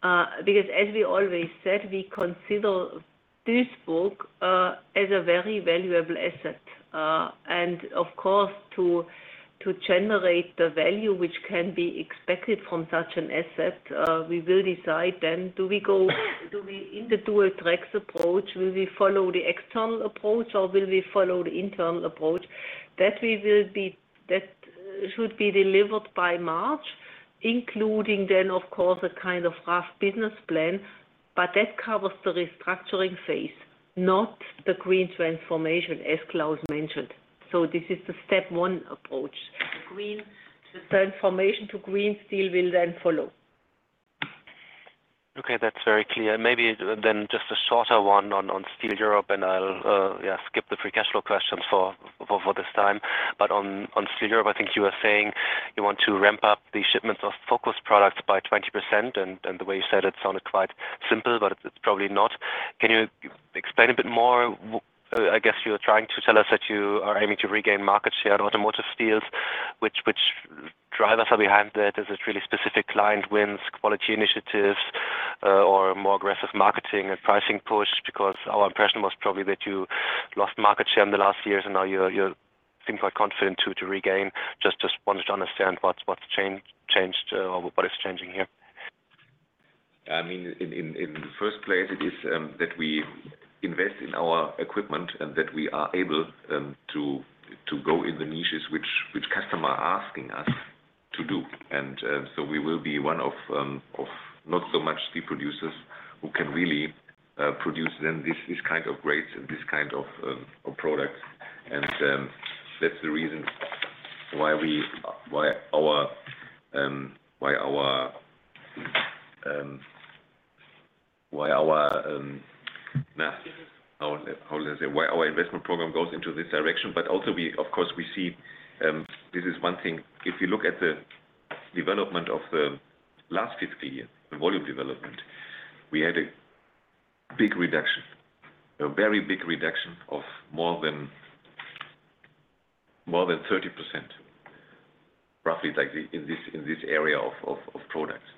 As we always said, we consider thyssenkrupp as a very valuable asset. Of course, to generate the value which can be expected from such an asset, we will decide then, do we, in the dual tracks approach, will we follow the external approach or will we follow the internal approach? That should be delivered by March, including then, of course, a kind of rough business plan. That covers the restructuring phase, not the green transformation, as Klaus mentioned. This is the step one approach. The transformation to green steel will then follow. Okay, that's very clear. Maybe just a shorter one on Steel Europe, and I'll skip the free cash flow questions for this time. On Steel Europe, I think you were saying you want to ramp up the shipments of focused products by 20%, and the way you said it sounded quite simple, but it's probably not. Can you explain a bit more? I guess you're trying to tell us that you are aiming to regain market share on automotive steels. Which drivers are behind that? Is it really specific client wins, quality initiatives, or a more aggressive marketing and pricing push? Our impression was probably that you lost market share in the last years, and now you seem quite confident to regain. Just wanted to understand what's changed or what is changing here. In the first place, it is that we invest in our equipment and that we are able to go in the niches which customer asking us to do. So we will be one of not so much steel producers who can really produce then these kind of grades and these kind of products. That's the reason why our investment program goes into this direction. Also, of course, we see, this is one thing, if you look at the development of the last 50 years, the volume development, we had a big reduction. A very big reduction of more than 30%, roughly, in this area of products.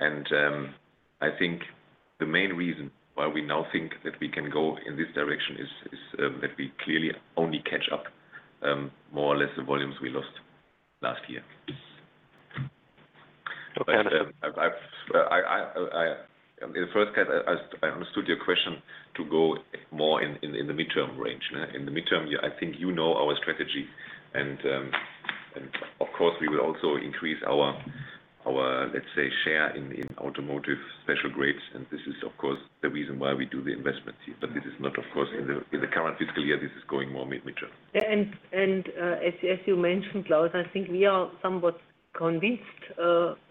I think the main reason why we now think that we can go in this direction is that we clearly only catch up more or less the volumes we lost last year. Okay. In the first case, I understood your question to go more in the midterm range. In the midterm, I think you know our strategy. Of course, we will also increase our, let's say, share in automotive special grades, and this is, of course, the reason why we do the investments here. This is not, of course, in the current fiscal year, this is going more midterm. As you mentioned, Klaus, I think we are somewhat convinced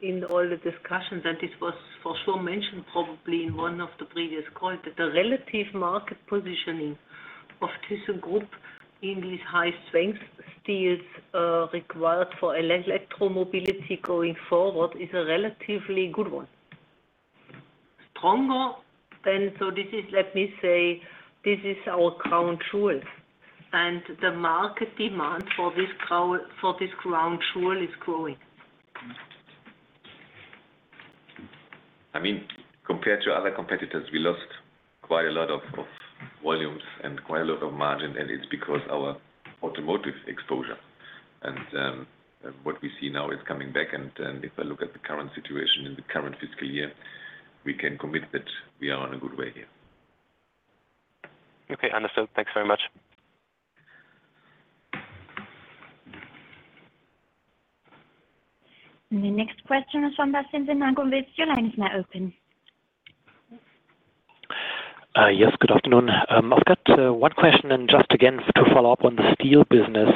in all the discussions, this was for sure mentioned probably in one of the previous calls, that the relative market positioning of thyssenkrupp in these high-strength steels required for electromobility going forward is a relatively good one. Stronger than, this is, let me say, this is our crown jewel, the market demand for this crown jewel is growing. Compared to other competitors, we lost quite a lot of volumes and quite a lot of margin, it's because our automotive exposure. What we see now is coming back, if I look at the current situation in the current fiscal year, we can commit that we are on a good way here. Okay, understood. Thanks very much. The next question is from Bastian Synagowitz. Your line is now open. Yes, good afternoon. I've got one question and just again, to follow up on the steel business.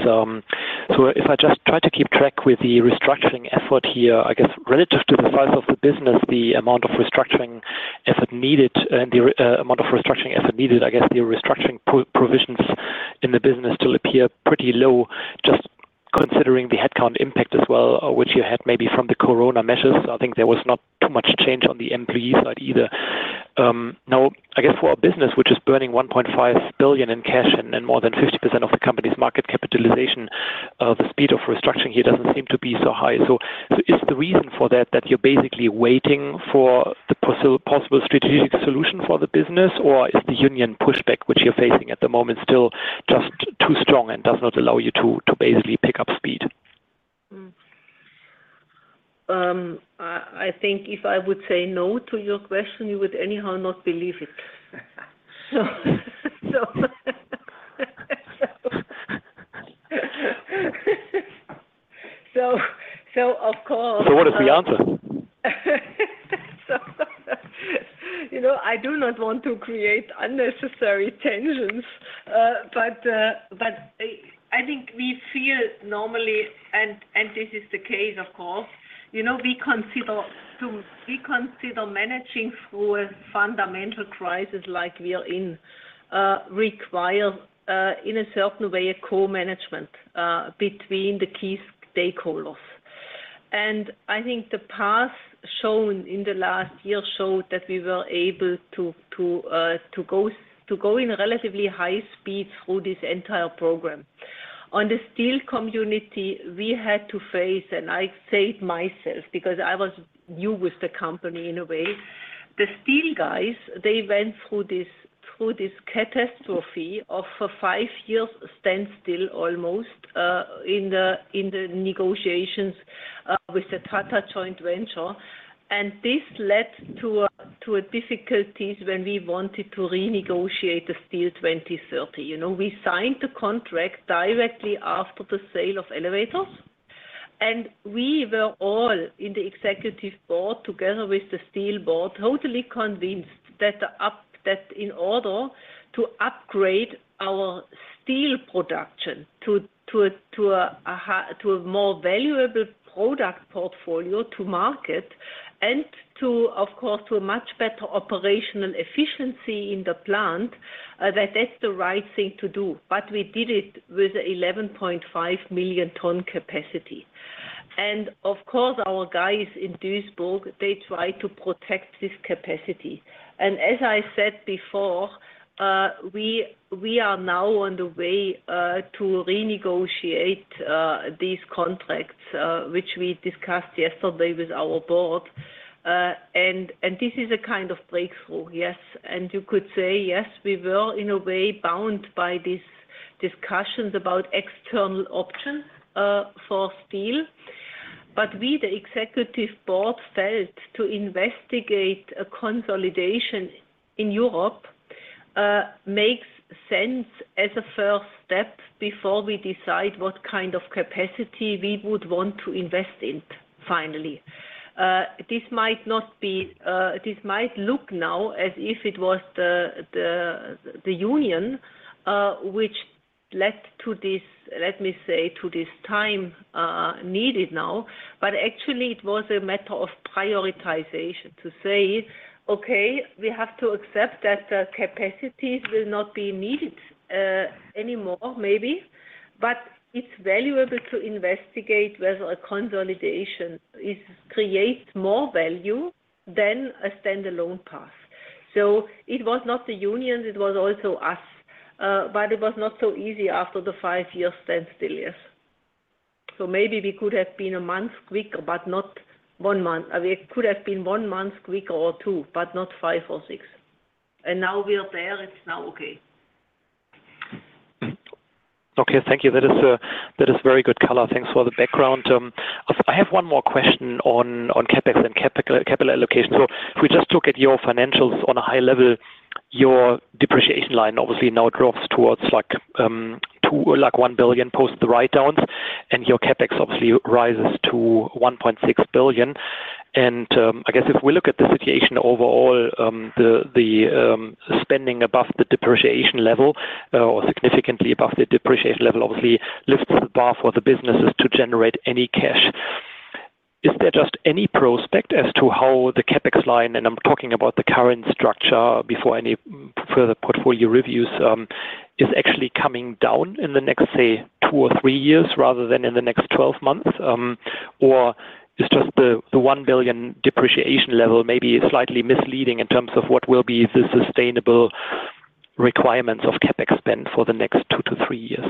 If I just try to keep track with the restructuring effort here, I guess relative to the size of the business, the amount of restructuring effort needed, I guess the restructuring provisions in the business still appear pretty low, just considering the headcount impact as well, which you had maybe from the COVID measures. I think there was not too much change on the employee side either. I guess for a business which is burning 1.5 billion in cash and more than 50% of the company's market capitalization, the speed of restructuring here doesn't seem to be so high. Is the reason for that that you're basically waiting for the possible strategic solution for the business, or is the union pushback which you're facing at the moment still just too strong and does not allow you to basically pick up speed? I think if I would say no to your question, you would anyhow not believe it. What is the answer? I do not want to create unnecessary tensions. I think we feel normally, and this is the case, of course, we consider managing through a fundamental crisis like we are in, requires, in a certain way, a co-management between the key stakeholders. I think the path shown in the last year showed that we were able to go in relatively high speed through this entire program. On the steel community, we had to face, and I say it myself, because I was new with the company in a way. The steel guys, they went through this catastrophe of a five-year standstill almost in the negotiations with the Tata joint venture. This led to difficulties when we wanted to renegotiate the Steel 20-30. We signed the contract directly after the sale of Elevators, we were all in the executive board, together with the steel board, totally convinced that in order to upgrade our steel production to a more valuable product portfolio to market and to, of course, to a much better operational efficiency in the plant, that that's the right thing to do. We did it with 11.5 million ton capacity. Of course, our guys in Duisburg, they try to protect this capacity. As I said before, we are now on the way to renegotiate these contracts, which we discussed yesterday with our board. This is a kind of breakthrough, yes. You could say, yes, we were in a way bound by these discussions about external options for steel. We, the executive board, felt to investigate a consolidation in Europe makes sense as a first step before we decide what kind of capacity we would want to invest in finally. This might look now as if it was the union which led to this, let me say, to this time needed now. Actually, it was a matter of prioritization to say, "Okay, we have to accept that the capacities will not be needed anymore, maybe. It's valuable to investigate whether a consolidation creates more value than a standalone path." It was not the unions, it was also us. It was not so easy after the five-year standstill year. Maybe we could have been a month quicker, but not one month. We could have been one month quicker or two, but not five or six. Now we are there, it's now okay. Okay, thank you. That is very good color. Thanks for the background. I have one more question on CapEx and capital allocation. If we just look at your financials on a high level, your depreciation line obviously now drops towards 2 billion or 1 billion post the write-downs, and your CapEx obviously rises to 1.6 billion. I guess if we look at the situation overall, the spending above the depreciation level or significantly above the depreciation level, obviously lifts the bar for the businesses to generate any cash. Is there just any prospect as to how the CapEx line, and I'm talking about the current structure before any further portfolio reviews, is actually coming down in the next, say, two or three years rather than in the next 12 months? Is just the 1 billion depreciation level maybe slightly misleading in terms of what will be the sustainable requirements of CapEx spend for the next two to three years?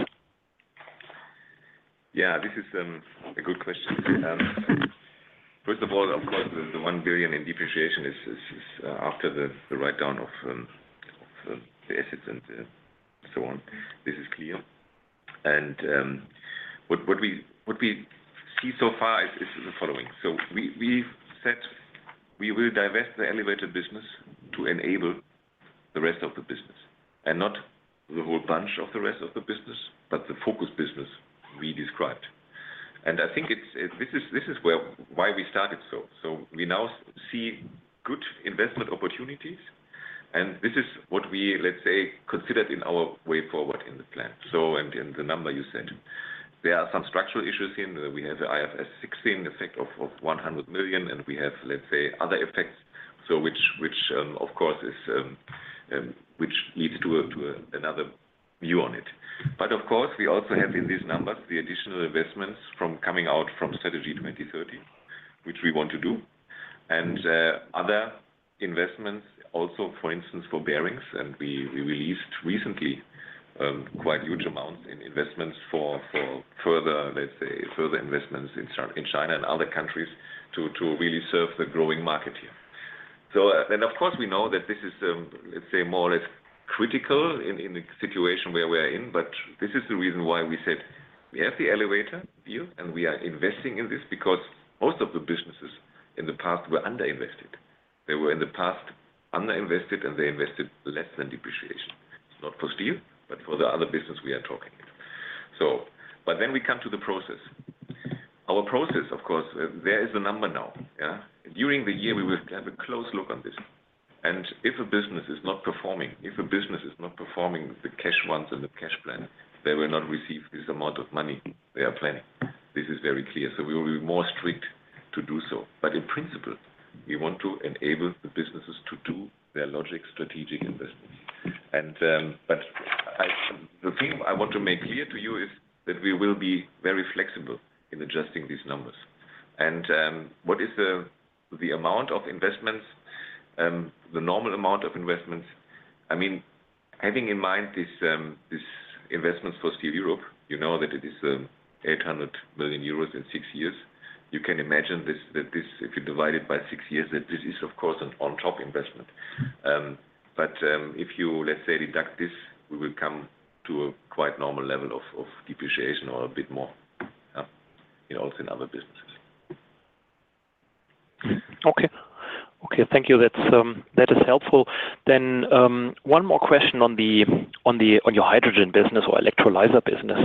Yeah, this is a good question. First of all, of course, the 1 billion in depreciation is after the write-down of the assets and so on. This is clear. What we see so far is the following. We've said we will divest the Elevator Technology business to enable the rest of the business, and not the whole bunch of the rest of the business, but the focus business we described. I think this is why we started so. We now see good investment opportunities, and this is what we, let's say, considered in our way forward in the plan. The number you said. There are some structural issues here. We have the IFRS 16 effect of 100 million, and we have, let's say, other effects, so which of course leads to another view on it. Of course, we also have in these numbers the additional investments coming out from Strategy 20-30, which we want to do. Other investments also, for instance, for Bearings, and we released recently quite huge amounts in investments for further, let's say, investments in China and other countries to really serve the growing market here. Of course, we know that this is, let's say, more or less critical in the situation where we are in, but this is the reason why we said we have the elevator view, and we are investing in this because most of the businesses in the past were under-invested. They were in the past under-invested, and they invested less than depreciation. Not for steel, but for the other business we are talking here. We come to the process. Our process, of course, there is a number now. During the year, we will have a close look on this. If a business is not performing the cash ones and the cash plan, they will not receive this amount of money they are planning. This is very clear. We will be more strict to do so. In principle, we want to enable the businesses to do their logic strategic investments. The thing I want to make clear to you is that we will be very flexible in adjusting these numbers. What is the amount of investments, the normal amount of investments? Having in mind this investments for Steel Europe, you know that it is 800 million euros in six years. You can imagine that this, if you divide it by six years, that this is, of course, an on-top investment. If you, let's say, deduct this, we will come to a quite normal level of depreciation or a bit more also in other businesses. Thank you. That is helpful. One more question on your hydrogen business or electrolyzer business,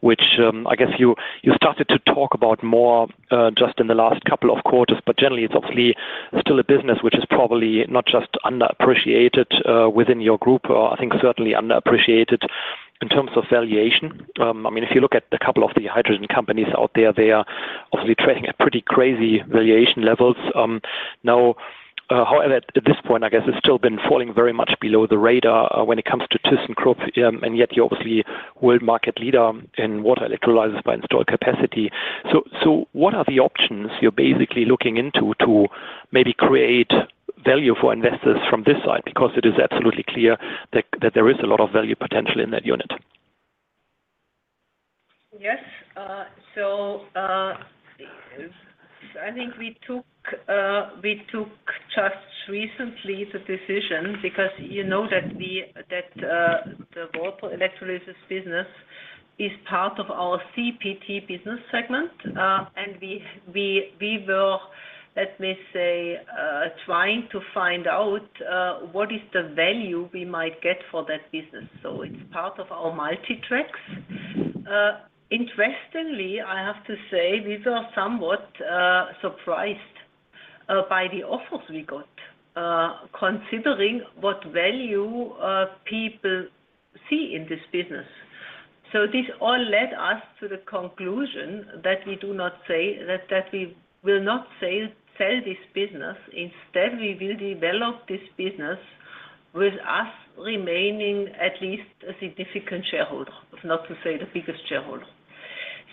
which I guess you started to talk about more just in the last couple of quarters, but generally it's obviously still a business which is probably not just underappreciated within your group, or I think certainly underappreciated in terms of valuation. If you look at a couple of the hydrogen companies out there, they are obviously trading at pretty crazy valuation levels. However, at this point, I guess it's still been falling very much below the radar when it comes to thyssenkrupp, and yet you're obviously world market leader in water electrolyzers by installed capacity. What are the options you're basically looking into to maybe create value for investors from this side? It is absolutely clear that there is a lot of value potential in that unit. Yes. I think we took just recently the decision because you know that the water electrolysis business is part of our CPT business segment. We were, let me say, trying to find out what is the value we might get for that business. It is part of our Multi Tracks. Interestingly, I have to say, we were somewhat surprised by the offers we got, considering what value people see in this business. This all led us to the conclusion that we will not sell this business. Instead, we will develop this business with us remaining at least a significant shareholder, if not to say the biggest shareholder.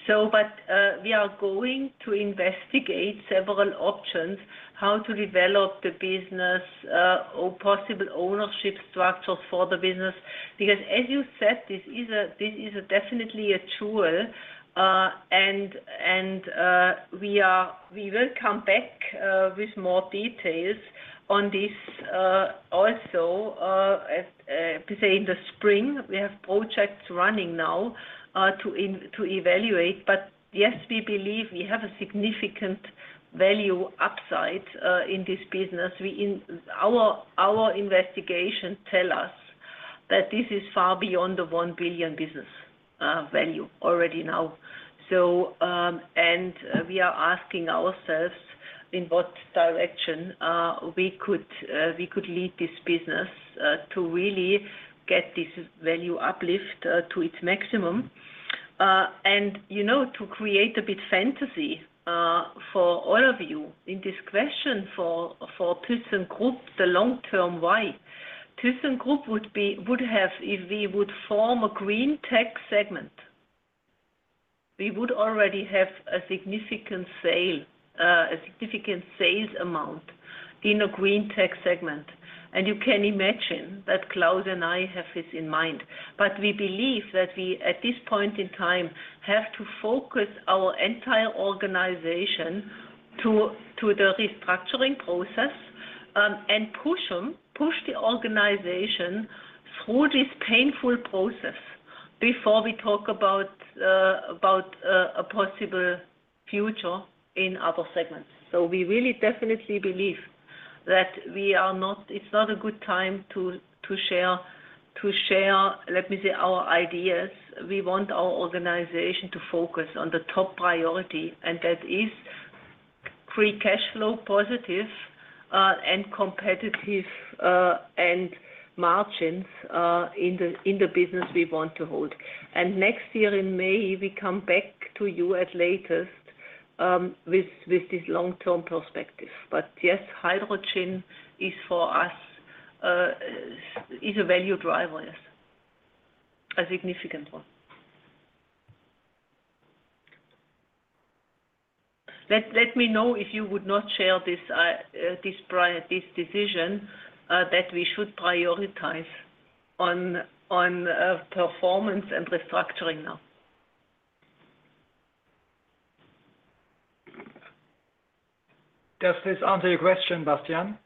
We are going to investigate several options, how to develop the business, or possible ownership structures for the business. As you said, this is definitely a tool, and we will come back with more details on this also, let me say, in the spring. We have projects running now to evaluate. Yes, we believe we have a significant value upside in this business. Our investigation tell us that this is far beyond the 1 billion business value already now. We are asking ourselves in what direction we could lead this business to really get this value uplift to its maximum. To create a bit fantasy for all of you in this question for thyssenkrupp, the long-term why, thyssenkrupp, if we would form a green tech segment, we would already have a significant sales amount in a green tech segment. You can imagine that Klaus and I have this in mind. We believe that we, at this point in time, have to focus our entire organization to the restructuring process, and push the organization through this painful process before we talk about a possible future in other segments. We really definitely believe that it's not a good time to share, let me say, our ideas. We want our organization to focus on the top priority, and that is free cash flow positive and competitive, and margins in the business we want to hold. Next year in May, we come back to you at latest with this long-term perspective. Yes, hydrogen is for us, is a value driver, yes. A significant one. Let me know if you would not share this decision that we should prioritize on performance and restructuring now. Does this answer your question, Bastian?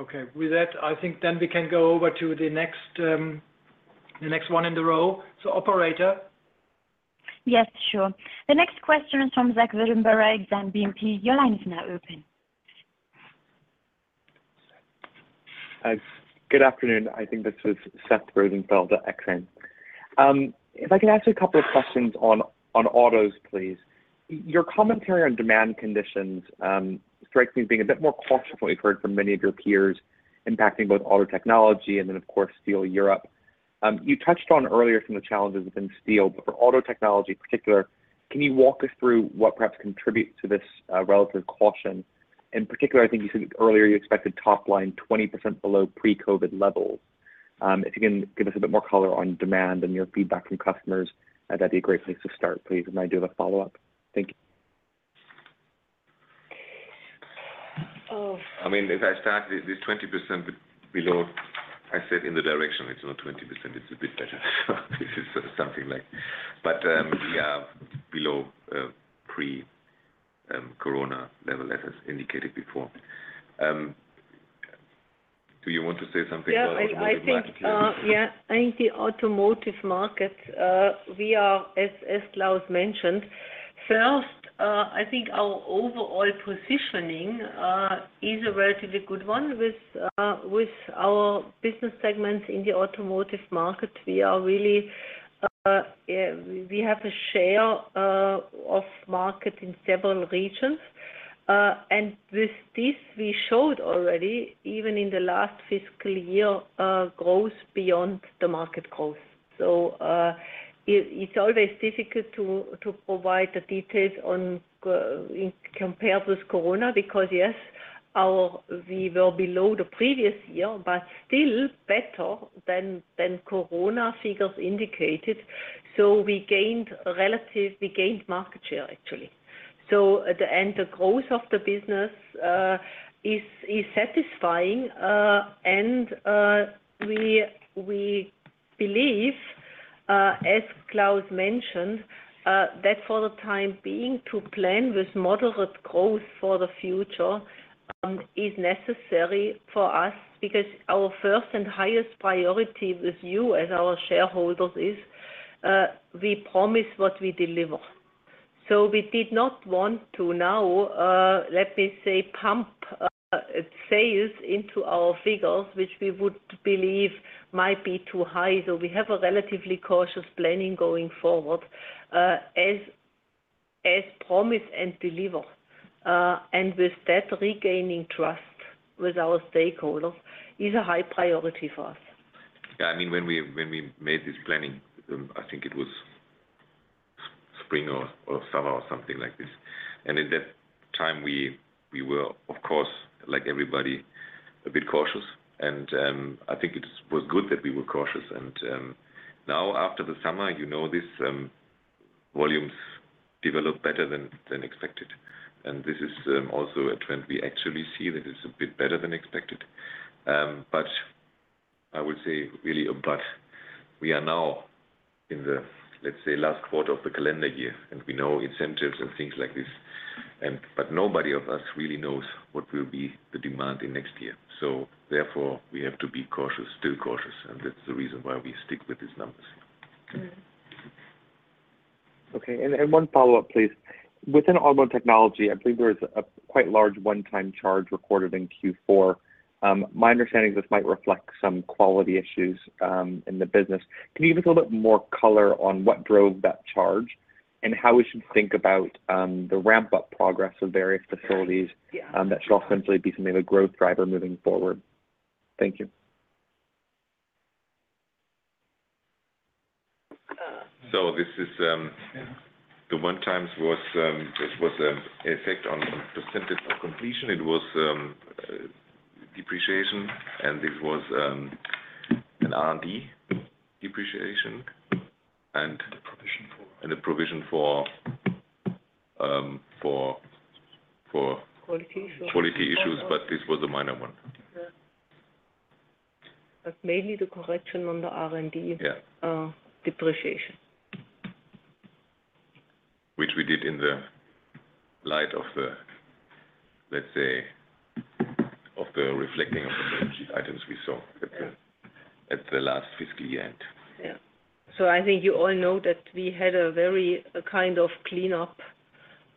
Okay. With that, I think then we can go over to the next one in the row. Operator. Yes, sure. The next question is from Seth Rosenfeld, Exane BNP. Your line is now open. Good afternoon. I think this is Seth Rosenfeld at Exane. If I can ask you a couple of questions on autos, please. Your commentary on demand conditions strikes me as being a bit more cautious than what we've heard from many of your peers, impacting both Auto Technology and then, of course, Steel Europe. You touched on earlier some of the challenges within steel, but for Auto Technology particular, can you walk us through what perhaps contributes to this relative caution? In particular, I think you said earlier you expected top line 20% below pre-COVID levels. If you can give us a bit more color on demand and your feedback from customers, that'd be a great place to start, please. I do have a follow-up. Thank you. Oh. If I start, this 20% below, I said in the direction, it's not 20%, it's a bit better. This is something like. We are below pre-corona level as indicated before. Do you want to say something about Automotive? I think the automotive market, as Klaus mentioned, first, I think our overall positioning is a relatively good one with our business segments in the automotive market. We have a share of market in several regions. With this, we showed already, even in the last fiscal year, growth beyond the market growth. It's always difficult to provide the details compared with corona, because yes, we were below the previous year, but still better than corona figures indicated. We gained market share, actually. At the end, the growth of the business is satisfying. We believe, as Klaus mentioned, that for the time being, to plan with moderate growth for the future is necessary for us because our first and highest priority with you as our shareholders is we promise what we deliver. We did not want to now, let me say, pump sales into our figures, which we would believe might be too high. We have a relatively cautious planning going forward, as promise and deliver. With that, regaining trust with our stakeholders is a high priority for us. Yeah, when we made this planning, I think it was spring or summer or something like this. In that time we were, of course, like everybody, a bit cautious, and I think it was good that we were cautious. Now after the summer, these volumes developed better than expected. This is also a trend we actually see that it's a bit better than expected. I would say, really a but, we are now in the, let's say, last quarter of the calendar year, and we know incentives and things like this, but nobody of us really knows what will be the demand in next year. Therefore, we have to be cautious, still cautious, and that's the reason why we stick with these numbers. Okay. One follow-up, please. Within Automotive Technology, I believe there is a quite large one-time charge recorded in Q4. My understanding, this might reflect some quality issues in the business. Can you give us a little bit more color on what drove that charge and how we should think about the ramp-up progress of various facilities that should ostensibly be something of a growth driver moving forward? Thank you. This is the one times was an effect on percentage of completion. It was depreciation, and it was an R&D depreciation. A provision for. And a provision for. Quality issues. Quality issues, but this was a minor one. Yeah. mainly the correction on the R&D. Yeah. Depreciation. Which we did in the light of the, let's say, of the reflecting of the balance sheet items we saw at the last fiscal year end. I think you all know that we had a very cleanup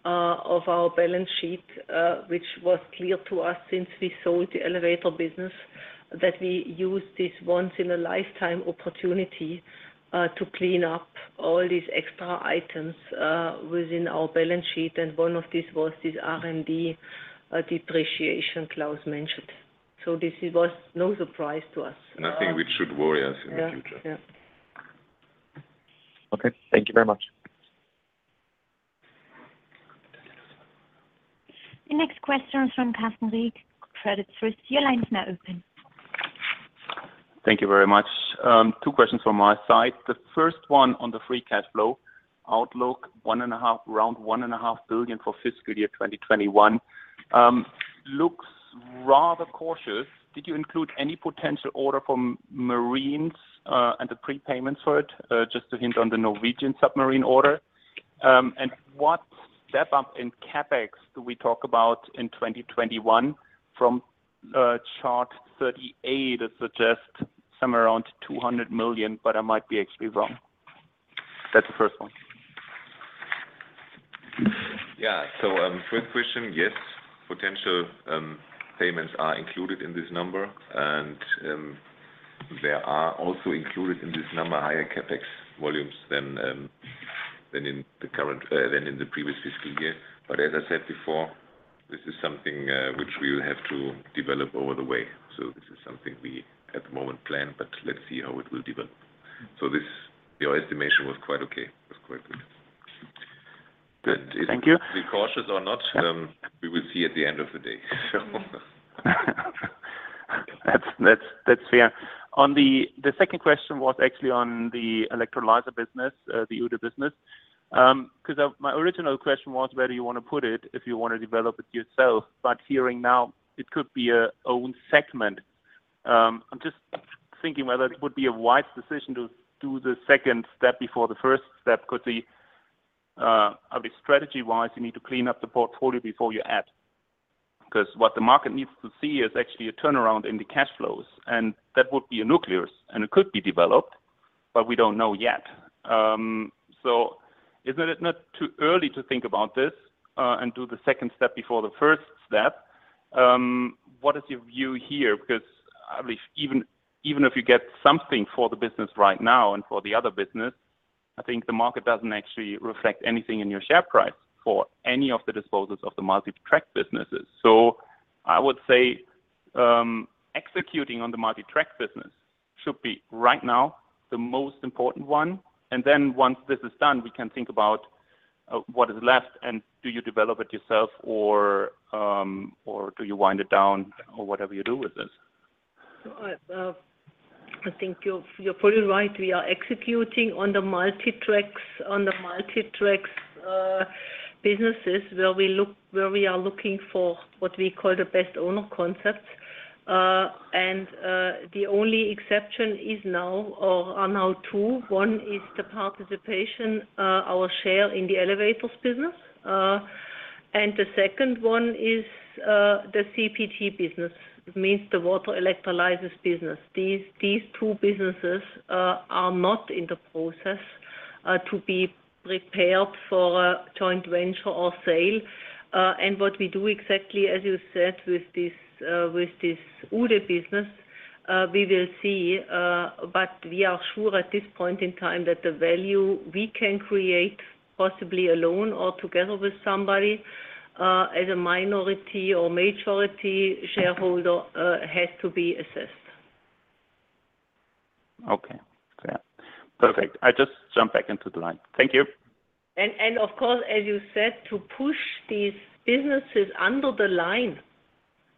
of our balance sheet, which was clear to us since we sold the Elevator business, that we used this once in a lifetime opportunity, to clean up all these extra items within our balance sheet, and one of these was this R&D depreciation Klaus mentioned. This was no surprise to us. Nothing which should worry us in the future. Yeah. Okay. Thank you very much. The next question from Carsten Riek, Credit Suisse. Your line is now open. Thank you very much. Two questions from my side. The first one on the free cash flow outlook, around 1.5 Billion for FY 2021. Looks rather cautious. Did you include any potential order from Marine, and the prepayment for it? Just a hint on the Norwegian submarine order. What step up in CapEx do we talk about in 2021 from chart 38? It suggests somewhere around 200 million, but I might be actually wrong. That's the first one. Yeah. First question, yes, potential payments are included in this number. There are also included in this number higher CapEx volumes than in the previous fiscal year. As I said before, this is something which we will have to develop over the way. This is something we, at the moment, plan, but let's see how it will develop. Your estimation was quite okay. It was quite good. Thank you. If it will be cautious or not, we will see at the end of the day. That's fair. The second question was actually on the Electrolyzer business, the Uhde business. My original question was where you want to put it if you want to develop it yourself, but hearing now it could be a own segment. I'm just thinking whether it would be a wise decision to do the second step before the first step. I believe strategy-wise, you need to clean up the portfolio before you add. What the market needs to see is actually a turnaround in the cash flows, and that would be a nucleus, and it could be developed, but we don't know yet. Is it not too early to think about this, and do the second step before the first step? What is your view here? I believe even if you get something for the business right now and for the other business, I think the market doesn't actually reflect anything in your share price for any of the disposals of the Multi Tracks businesses. I would say, executing on the Multi Tracks business should be, right now, the most important one. Then once this is done, we can think about what is left and do you develop it yourself or do you wind it down or whatever you do with this? I think you're fully right. We are executing on the Multi Tracks businesses where we are looking for what we call the best owner concepts. The only exception are now two. One is the participation, our share in the Elevators business. The second one is the CPT business, means the water Electrolyzers business. These two businesses are not in the process to be prepared for a joint venture or sale. What we do exactly, as you said, with this Uhde business, we will see, but we are sure at this point in time that the value we can create possibly alone or together with somebody, as a minority or majority shareholder, has to be assessed. Okay. Yeah. Perfect. I just jump back into the line. Thank you. Of course, as you said, to push these businesses under the line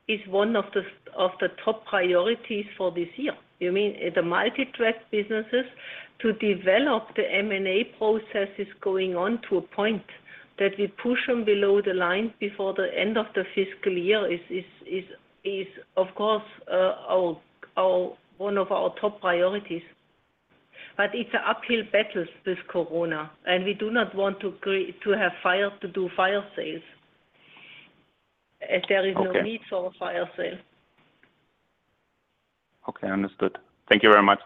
is one of the top priorities for this year. You mean the Multi Tracks businesses to develop the M&A processes going on to a point that we push them below the line before the end of the fiscal year is, of course, one of our top priorities. It's a uphill battle with COVID, and we do not want to have files to do file saves. Okay. If there is no need for a file save. Okay, understood. Thank you very much.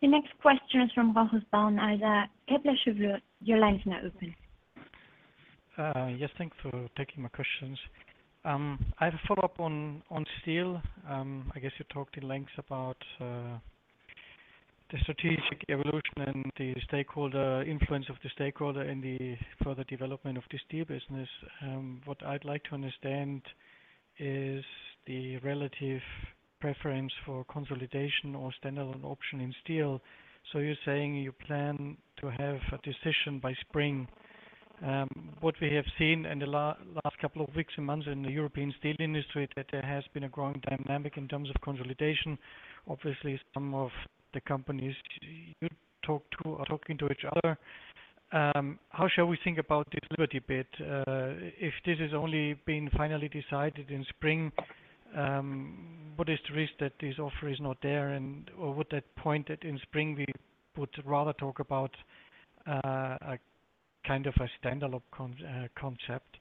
The next question is from Rochus Brauneiser. Kepler Cheuvreux, your line is now open. Yes. Thanks for taking my questions. I have a follow-up on steel. I guess you talked at length about the strategic evolution and the influence of the stakeholder in the further development of the steel business. What I'd like to understand is the relative preference for consolidation or standalone option in steel. You're saying you plan to have a decision by spring. What we have seen in the last couple of weeks and months in the European steel industry that there has been a growing dynamic in terms of consolidation. Obviously, some of the companies you talk to are talking to each other. How shall we think about the Liberty bid? If this is only being finally decided in spring, what is the risk that this offer is not there? Or would that point that in spring we would rather talk about a kind of a standalone concept?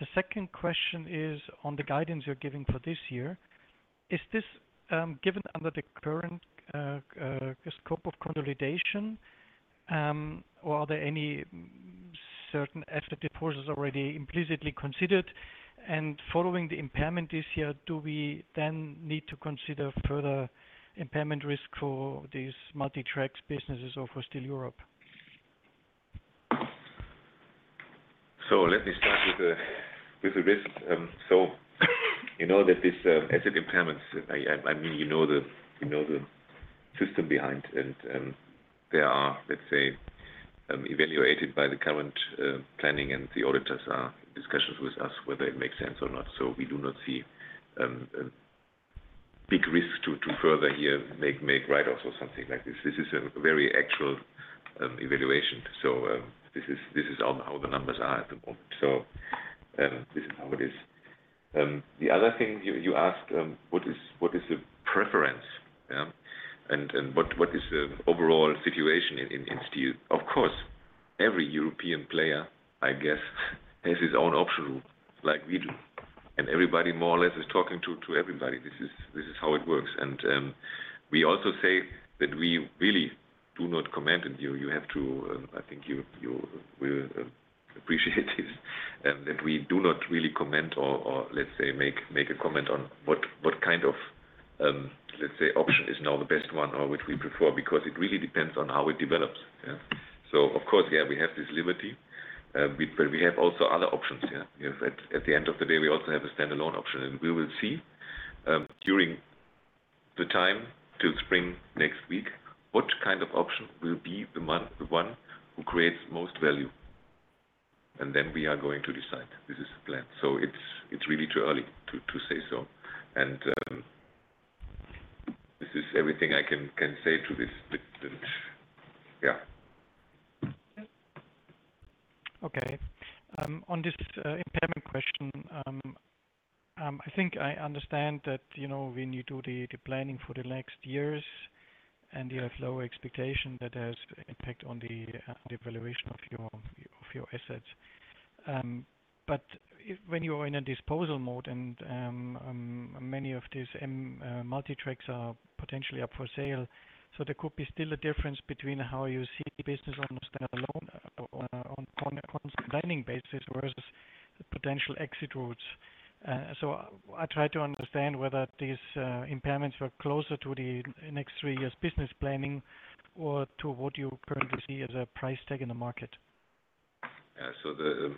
The second question is on the guidance you're giving for this year. Is this given under the current scope of consolidation? Or are there any certain asset disposals already implicitly considered? Following the impairment this year, do we then need to consider further impairment risk for these Multi Tracks businesses or for Steel Europe? Let me start with the risk. You know that these asset impairments, you know the system behind, and they are, let's say, evaluated by the current planning, and the auditors are in discussions with us whether it makes sense or not. We do not see a big risk to further here make write-offs or something like this. This is a very actual evaluation. This is how the numbers are at the moment. This is how it is. The other thing you asked, what is the preference? Yeah. What is the overall situation in steel? Of course, every European player, I guess, has his own option rule like we do, and everybody more or less is talking to everybody. This is how it works. We also say that we really do not comment, and I think you will appreciate this, that we do not really comment or, let's say, make a comment on what kind of option is now the best one or which we prefer, because it really depends on how it develops. Of course, we have this liberty, but we have also other options here. At the end of the day, we also have a standalone option, and we will see during the time till spring next week, which kind of option will be the one who creates most value. Then we are going to decide. This is the plan. It's really too early to say so. This is everything I can say to this. Okay. On this impairment question, I think I understand that when you do the planning for the next years and you have lower expectation, that has impact on the valuation of your assets. When you are in a disposal mode and many of these Multi Tracks are potentially up for sale. There could be still a difference between how you see business on a standalone, on a planning basis versus potential exit routes. I try to understand whether these impairments were closer to the next three years business planning or to what you currently see as a price tag in the market. Yeah.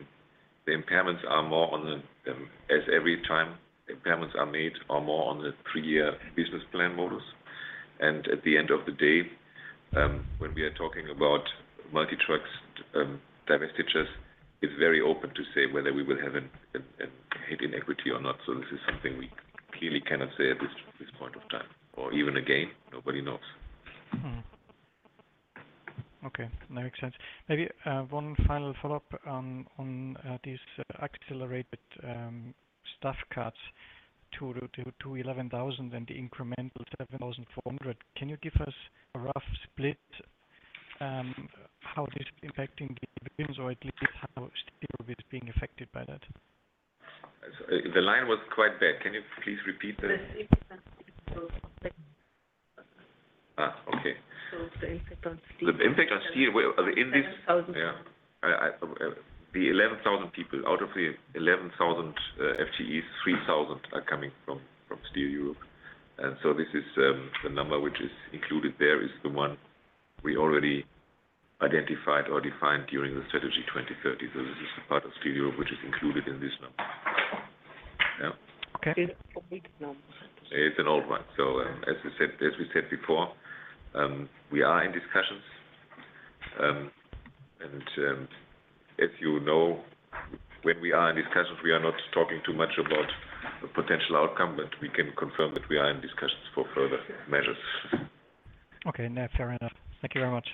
The impairments are more on the, as every time impairments are made, are more on the three-year business plan models. At the end of the day, when we are talking about Multi Tracks divestitures, it's very open to say whether we will have a hit in equity or not. This is something we clearly cannot say at this point of time. Even again, nobody knows. Okay. That makes sense. Maybe one final follow-up on these accelerated staff cuts to 11,000 and the incremental 7,400. Can you give us a rough split how this is impacting the dividends, or at least how Steel Europe is being affected by that? The line was quite bad. Can you please repeat? The impact on Steel. Okay. The impact on Steel. The impact on Steel. 7,000. Yeah. The 11,000 people. Out of the 11,000 FTEs, 3,000 are coming from Steel Europe. This is the number which is included there is the one we already identified or defined during the Strategy 20-30. This is the part of Steel Europe which is included in this number. Yeah. Okay. It's an old one. As we said before, we are in discussions. If you know, when we are in discussions, we are not talking too much about the potential outcome, but we can confirm that we are in discussions for further measures. Okay. No, fair enough. Thank you very much.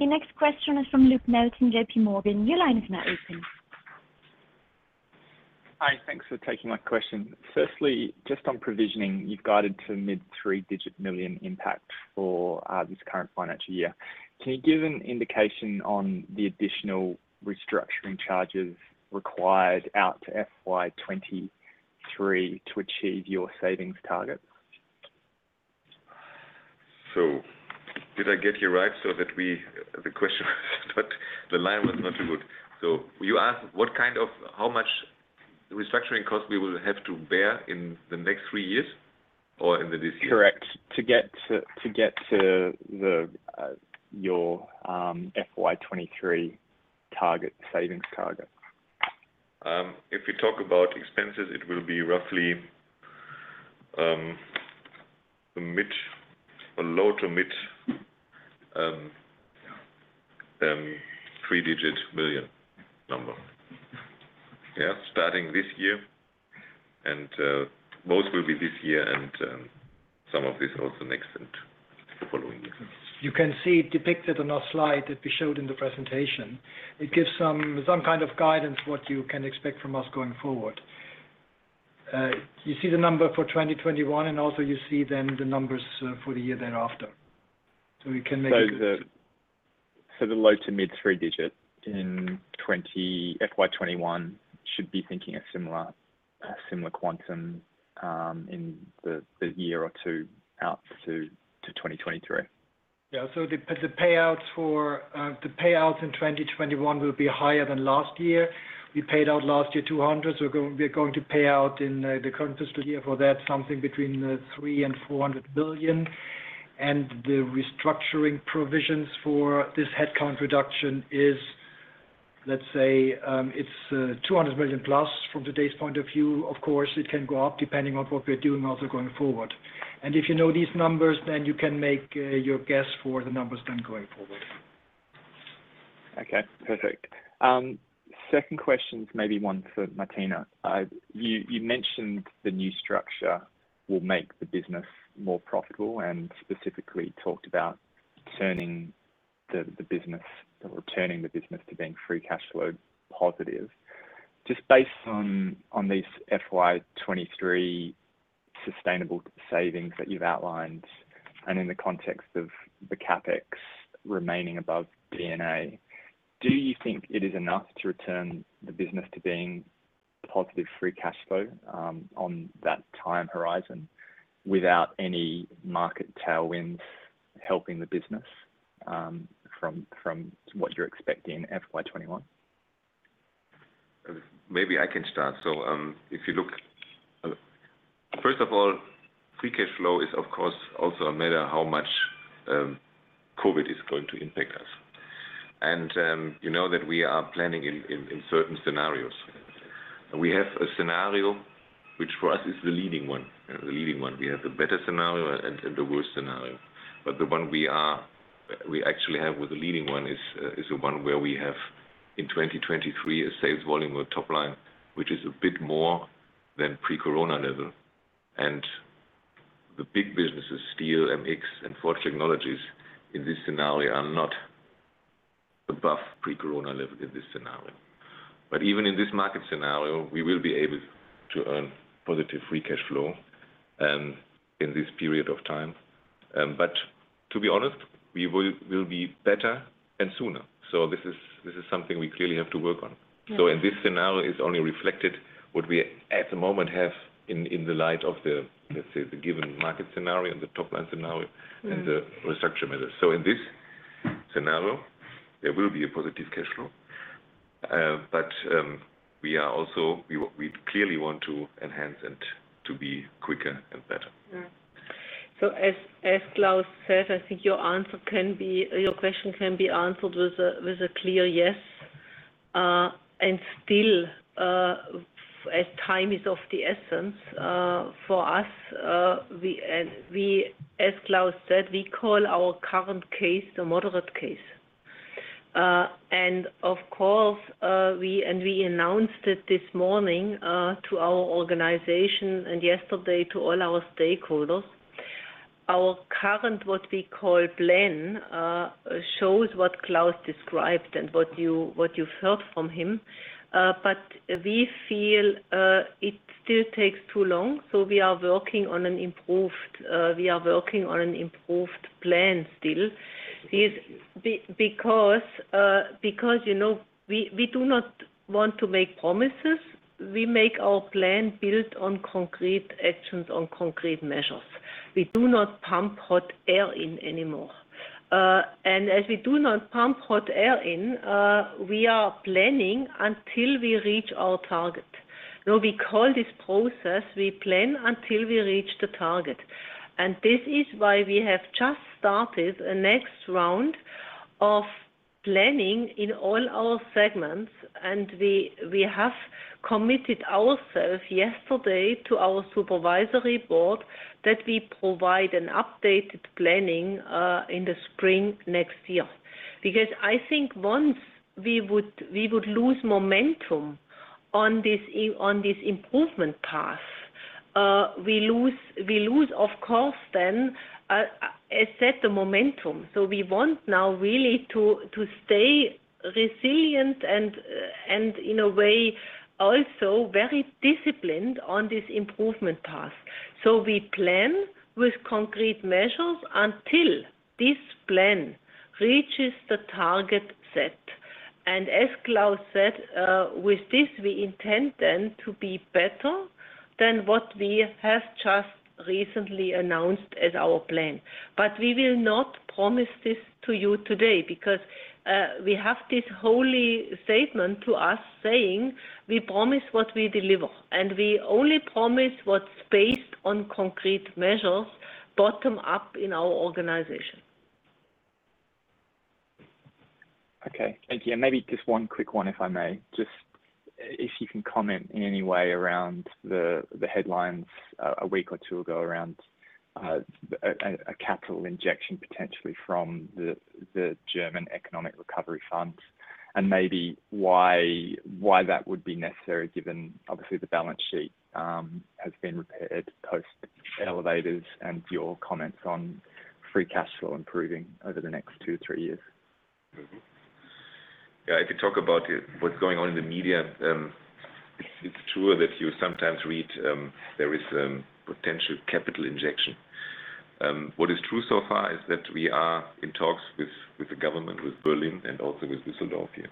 The next question is from Luke Nelson, JPMorgan. Your line is now open. Hi. Thanks for taking my question. Firstly, just on provisioning, you've guided to mid three digit million euro impact for this current financial year. Can you give an indication on the additional restructuring charges required out to FY 2023 to achieve your savings target? Did I get you right? The question, but the line was not good. You asked how much restructuring cost we will have to bear in the next three years or in the this year? Correct. To get to your FY 2023 savings target. If you talk about expenses, it will be roughly a low to mid three-digit million euro number, starting this year. Yeah. Most will be this year and some of this also next and the following years. You can see depicted on our slide that we showed in the presentation. It gives some kind of guidance what you can expect from us going forward. You see the number for 2021 and also you see then the numbers for the year thereafter. The low to mid three-digit in FY 2021 should be thinking a similar quantum in the year or two out to 2023. Yeah. The payouts in 2021 will be higher than last year. We paid out last year 200 million. We're going to pay out in the current fiscal year for that something between 300 million and 400 million. The restructuring provisions for this headcount reduction is, let's say, it's 200+ million from today's point of view. Of course, it can go up depending on what we are doing also going forward. If you know these numbers, you can make your guess for the numbers then going forward. Okay, perfect. Second question is maybe one for Martina. You mentioned the new structure will make the business more profitable, and specifically talked about returning the business to being free cash flow positive. Just based on these FY 2023 sustainable savings that you've outlined and in the context of the CapEx remaining above D&A, do you think it is enough to return the business to being positive free cash flow on that time horizon without any market tailwinds helping the business from what you're expecting FY 2021? Maybe I can start. First of all, free cash flow is, of course, also a matter how much COVID is going to impact us. You know that we are planning in certain scenarios. We have a scenario which for us is the leading one. We have the better scenario and the worst scenario. The one we actually have with the leading one is the one where we have, in 2023, a sales volume or top line, which is a bit more than pre-corona level. The big businesses, Steel, MX, and Forged Technologies, in this scenario, are not above pre-corona level in this scenario. Even in this market scenario, we will be able to earn positive free cash flow in this period of time. To be honest, we will be better and sooner. This is something we clearly have to work on. This scenario is only reflected what we at the moment have in the light of the, let's say, the given market scenario and the top-line scenario and the restructure measures. In this scenario, there will be a positive cash flow. We clearly want to enhance it to be quicker and better. As Klaus said, I think your question can be answered with a clear yes. As time is of the essence for us, as Klaus said, we call our current case the moderate case. We announced it this morning to our organization and yesterday to all our stakeholders, our current, what we call plan, shows what Klaus described and what you've heard from him. We feel it still takes too long, so we are working on an improved plan still. We do not want to make promises. We make our plan built on concrete actions, on concrete measures. We do not pump hot air in anymore. As we do not pump hot air in, we are planning until we reach our target. We call this process we plan until we reach the target. This is why we have just started a next round of planning in all our segments, and we have committed ourselves yesterday to our supervisory board that we provide an updated planning in the spring next year. I think once we would lose momentum on this improvement path, we lose, of course then, a set of momentum. We want now really to stay resilient and, in a way, also very disciplined on this improvement path. We plan with concrete measures until this plan reaches the target set. As Klaus said, with this, we intend then to be better than what we have just recently announced as our plan. We will not promise this to you today because we have this holy statement to us saying we promise what we deliver, and we only promise what's based on concrete measures bottom up in our organization. Okay. Thank you. Maybe just one quick one if I may. Just if you can comment in any way around the headlines a week or two ago around a capital injection potentially from the German Economic Recovery Fund, maybe why that would be necessary given, obviously, the balance sheet has been repaired post elevators and your comments on free cash flow improving over the next two, three years. Yeah. I could talk about what's going on in the media. It's true that you sometimes read there is potential capital injection. What is true so far is that we are in talks with the government, with Berlin, and also with Düsseldorf here.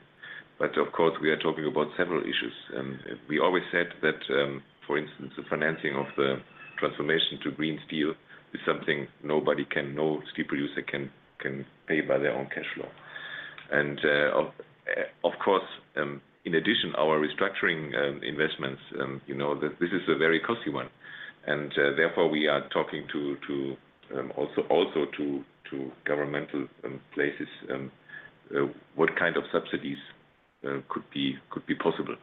Of course, we are talking about several issues. We always said that, for instance, the financing of the transformation to green steel is something nobody can know, steel producer can pay by their own cash flow. Of course, in addition, our restructuring investments, this is a very costly one. Therefore, we are talking also to governmental places what kind of subsidies could be possible.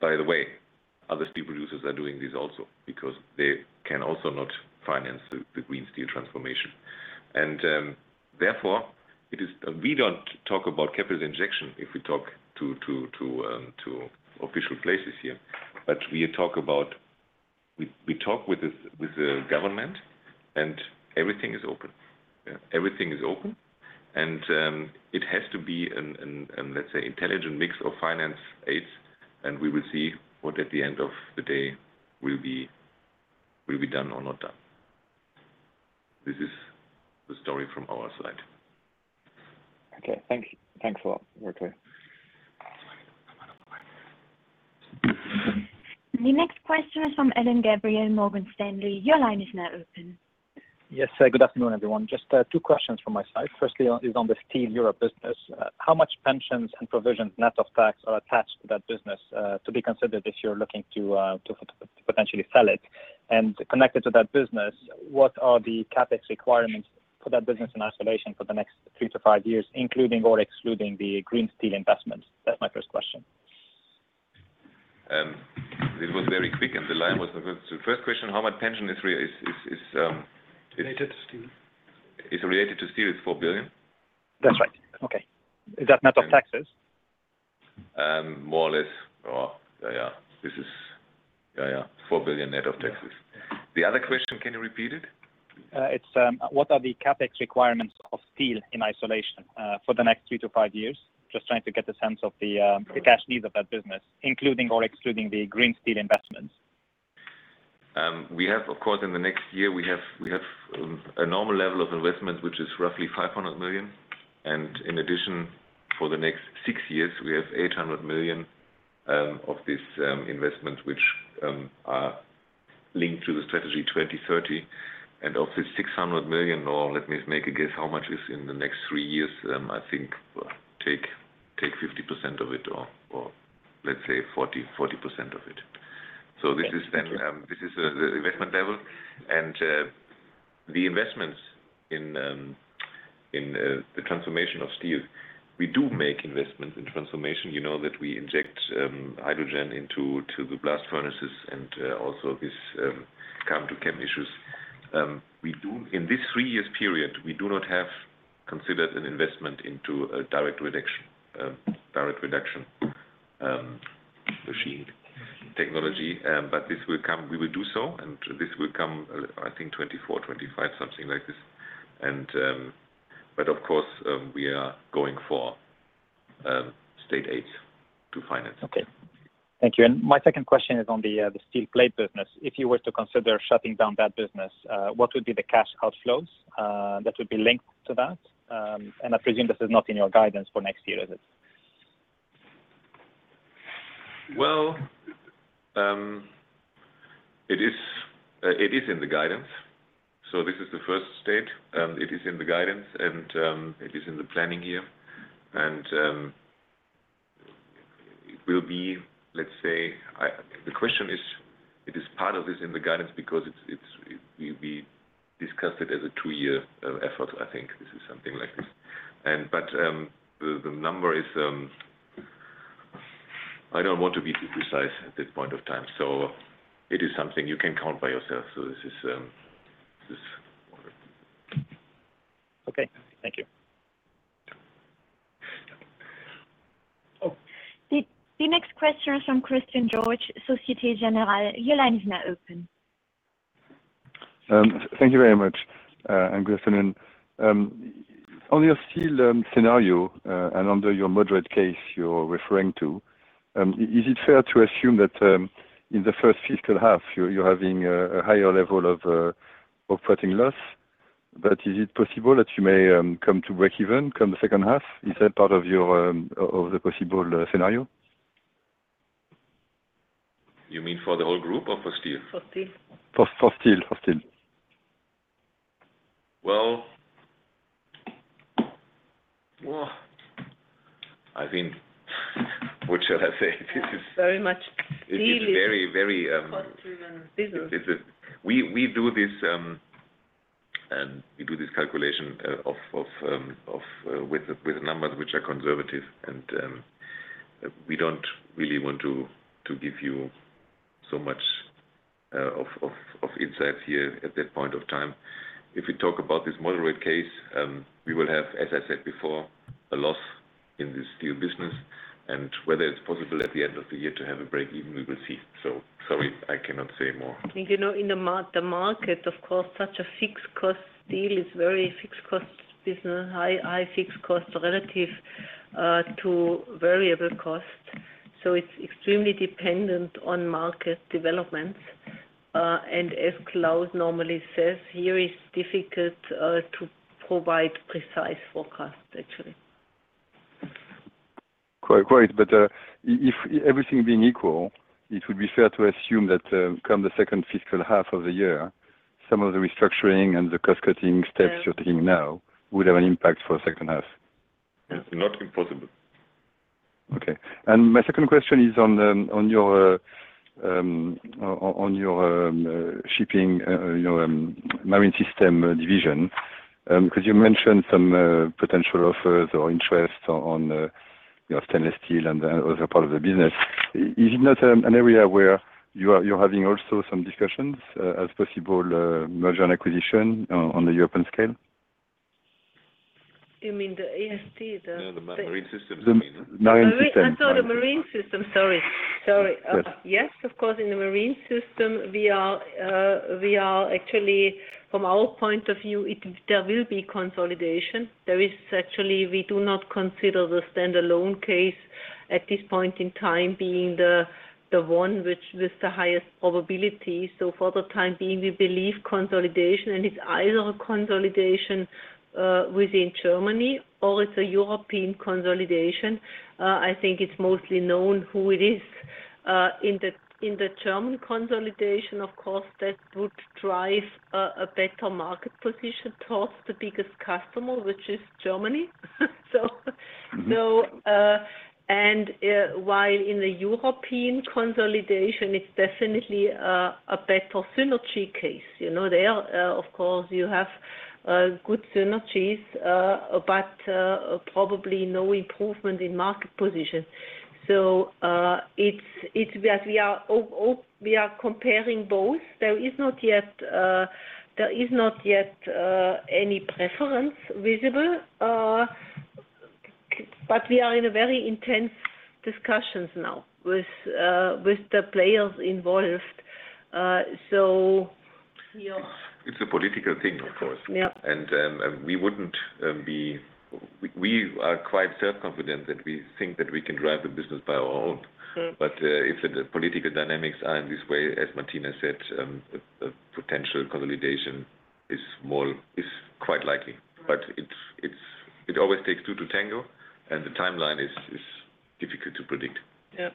By the way, other steel producers are doing this also because they can also not finance the green steel transformation. Therefore, we don't talk about capital injection if we talk to official places here. We talk with the government and everything is open. Yeah. Everything is open. It has to be an, let's say, intelligent mix of finance aids, and we will see what at the end of the day will be done or not done. This is the story from our side. Okay. Thanks a lot. Okay. The next question is from Alain Gabriel, Morgan Stanley. Your line is now open. Yes. Good afternoon, everyone. Just two questions from my side. Firstly is on the Steel Europe business. How much pensions and provisions net of tax are attached to that business to be considered if you're looking to potentially sell it? Connected to that business, what are the CapEx requirements for that business in isolation for the next three to five years, including or excluding the green steel investments? That's my first question. It was very quick and the line was not good. First question, how much pension is? Related to steel. Is related to steel is 4 billion? That's right. Okay. Is that net of taxes? More or less. Yeah. This is 4 billion net of taxes. The other question, can you repeat it? It's what are the CapEx requirements of steel in isolation for the next three to five years? Just trying to get a sense of the cash needs of that business, including or excluding the green steel investments. We have, of course, in the next year, we have a normal level of investment, which is roughly 500 million. In addition, for the next six years, we have 800 million of this investment, which are linked to the Strategy 20-30. Of this 600 million, or let me make a guess how much is in the next three years, I think take 50% of it or let's say 40% of it. Thank you. the investment level. The investments in the transformation of steel, we do make investments in transformation, you know that we inject hydrogen into the blast furnaces and also this Carbon2Chem issues. In this three years period, we do not have considered an investment into a direct reduction machine technology. We will do so, and this will come, I think, 2024, 2025, something like this. Of course, we are going for state aid to finance it. Okay. Thank you. My second question is on the Heavy Plate business. If you were to consider shutting down that business, what would be the cash outflows that would be linked to that? I presume this is not in your guidance for next year, is it? Well, it is in the guidance. This is the first stage. It is in the guidance, and it is in the planning here. It will be, let's say, the question is, it is part of this in the guidance because we discussed it as a two-year effort, I think this is something like this. The number is. I don't want to be too precise at this point of time, so it is something you can count by yourself. This is order. Okay. Thank you. The next question is from Christian Georges, Société Générale. Your line is now open. Thank you very much. Good afternoon. On your steel scenario, under your moderate case you're referring to, is it fair to assume that in the first fiscal half, you're having a higher level of operating loss? Is it possible that you may come to break even come the second half? Is that part of the possible scenario? You mean for the whole group or for steel? For Steel. For steel. Well, I think what shall I say? Very much steel. It is very. Cost-driven business. We do this calculation with numbers which are conservative, and we don't really want to give you so much of insight here at that point of time. If we talk about this moderate case, we will have, as I said before, a loss in the steel business, and whether it's possible at the end of the year to have a break even, we will see. Sorry, I cannot say more. In the market, of course, such a fixed cost deal is very fixed cost business, high fixed cost relative to variable cost. It's extremely dependent on market developments. As Klaus normally says, here, it's difficult to provide precise forecast, actually. If everything being equal, it would be fair to assume that come the second fiscal half of the year, some of the restructuring and the cost-cutting steps you're taking now would have an impact for second half. It's not impossible. Okay. My second question is on your Marine Systems division, because you mentioned some potential offers or interest on your stainless steel and other part of the business. Is it not an area where you're having also some discussions as possible M&A on the European scale? You mean the AST? No, the Marine Systems you mean? The Marine Systems. I saw the Marine Systems. Sorry. Yes. Yes, of course, in the thyssenkrupp Marine Systems, we are actually, from our point of view, there will be consolidation. There is actually, we do not consider the standalone case at this point in time being the one which with the highest probability. For the time being, we believe consolidation, and it's either consolidation within Germany or it's a European consolidation. I think it's mostly known who it is. In the German consolidation, of course, that would drive a better market position towards the biggest customer, which is Germany. While in the European consolidation, it's definitely a better synergy case. There, of course you have good synergies, but probably no improvement in market position. We are comparing both. There is not yet any preference visible. We are in a very intense discussions now with the players involved. It's a political thing, of course. Yeah. We are quite self-confident that we think that we can drive the business by our own. Sure. If the political dynamics are in this way, as Martina said, a potential consolidation is quite likely. It always takes two to tango, and the timeline is difficult to predict. Yeah.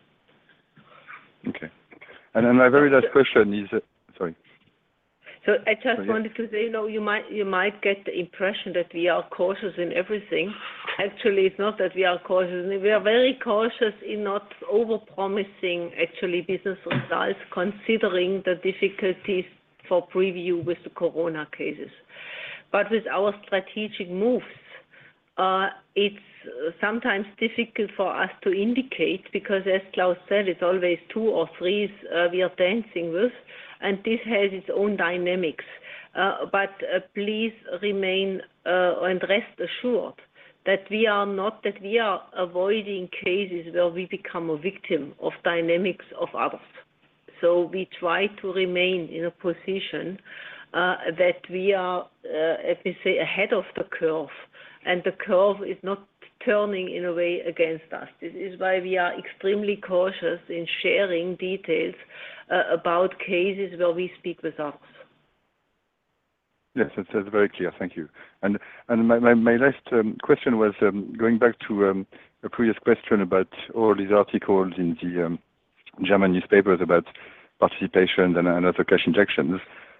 Okay. My very last question is Sorry. I just wanted to say, you might get the impression that we are cautious in everything. Actually, it's not that we are cautious. We are very cautious in not over-promising actually business results, considering the difficulties for preview with the COVID cases. With our strategic moves, it's sometimes difficult for us to indicate because, as Klaus said, it's always two or threes we are dancing with, and this has its own dynamics. Please remain and rest assured that we are avoiding cases where we become a victim of dynamics of others. We try to remain in a position that we are, let me say, ahead of the curve, and the curve is not turning in a way against us. This is why we are extremely cautious in sharing details about cases where we speak with others. Yes, that's very clear. Thank you. My last question was going back to a previous question about all these articles in the German newspapers about participation and other cash injections.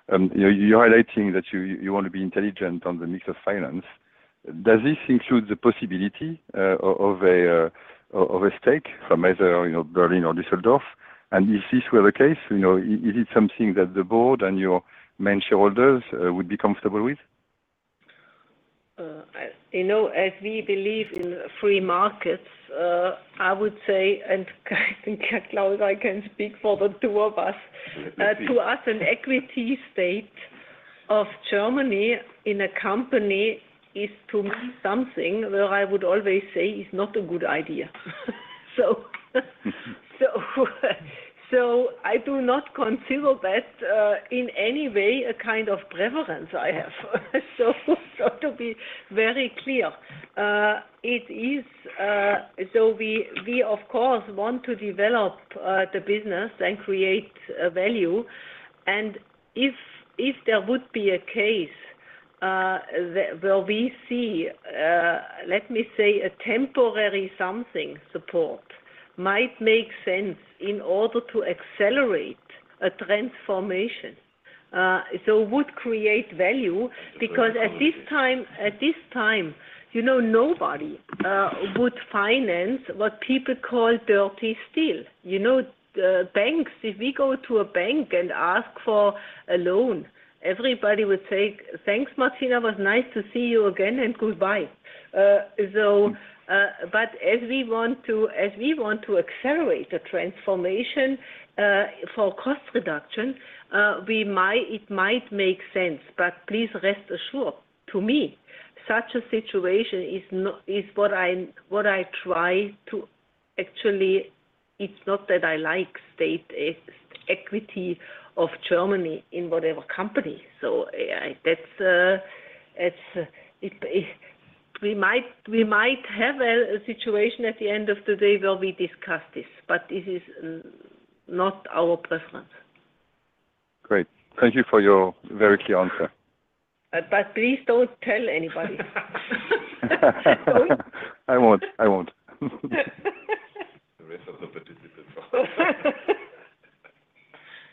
You're highlighting that you want to be intelligent on the mix of finance. Does this include the possibility of a stake from either Berlin or Düsseldorf? If this were the case, is it something that the board and your main shareholders would be comfortable with? We believe in free markets, I would say, and I think, Klaus, I can speak for the two of us. To us, an equity state of Germany in a company is to me something where I would always say is not a good idea. I do not consider that in any way a kind of preference I have. To be very clear, we, of course, want to develop the business and create value, and if there would be a case where we see, let me say, a temporary something support might make sense in order to accelerate a transformation. Would create value because at this time nobody would finance what people call dirty steel. Banks, if we go to a bank and ask for a loan, everybody would say, "Thanks, Martina. It was nice to see you again and goodbye. As we want to accelerate the transformation for cost reduction, it might make sense, but please rest assured, to me, such a situation is. Actually, it's not that I like state equity of Germany in whatever company. We might have a situation at the end of the day where we discuss this, but it is not our preference. Great. Thank you for your very clear answer. Please don't tell anybody. I won't. The rest of the participants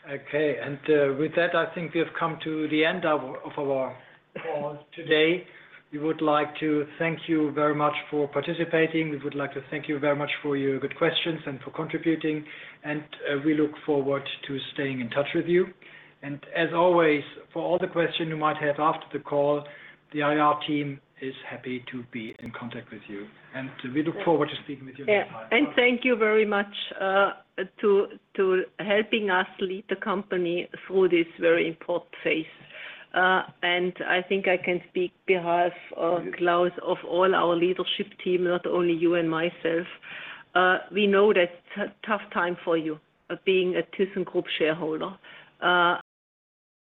also. With that, I think we have come to the end of our call today. We would like to thank you very much for participating. We would like to thank you very much for your good questions and for contributing. We look forward to staying in touch with you. As always, for all the questions you might have after the call, the IR team is happy to be in contact with you. We look forward to speaking with you next time. Yeah. Thank you very much to helping us lead the company through this very important phase. I think I can speak behalf of Klaus, of all our leadership team, not only you and myself. We know that's a tough time for you, being a thyssenkrupp shareholder.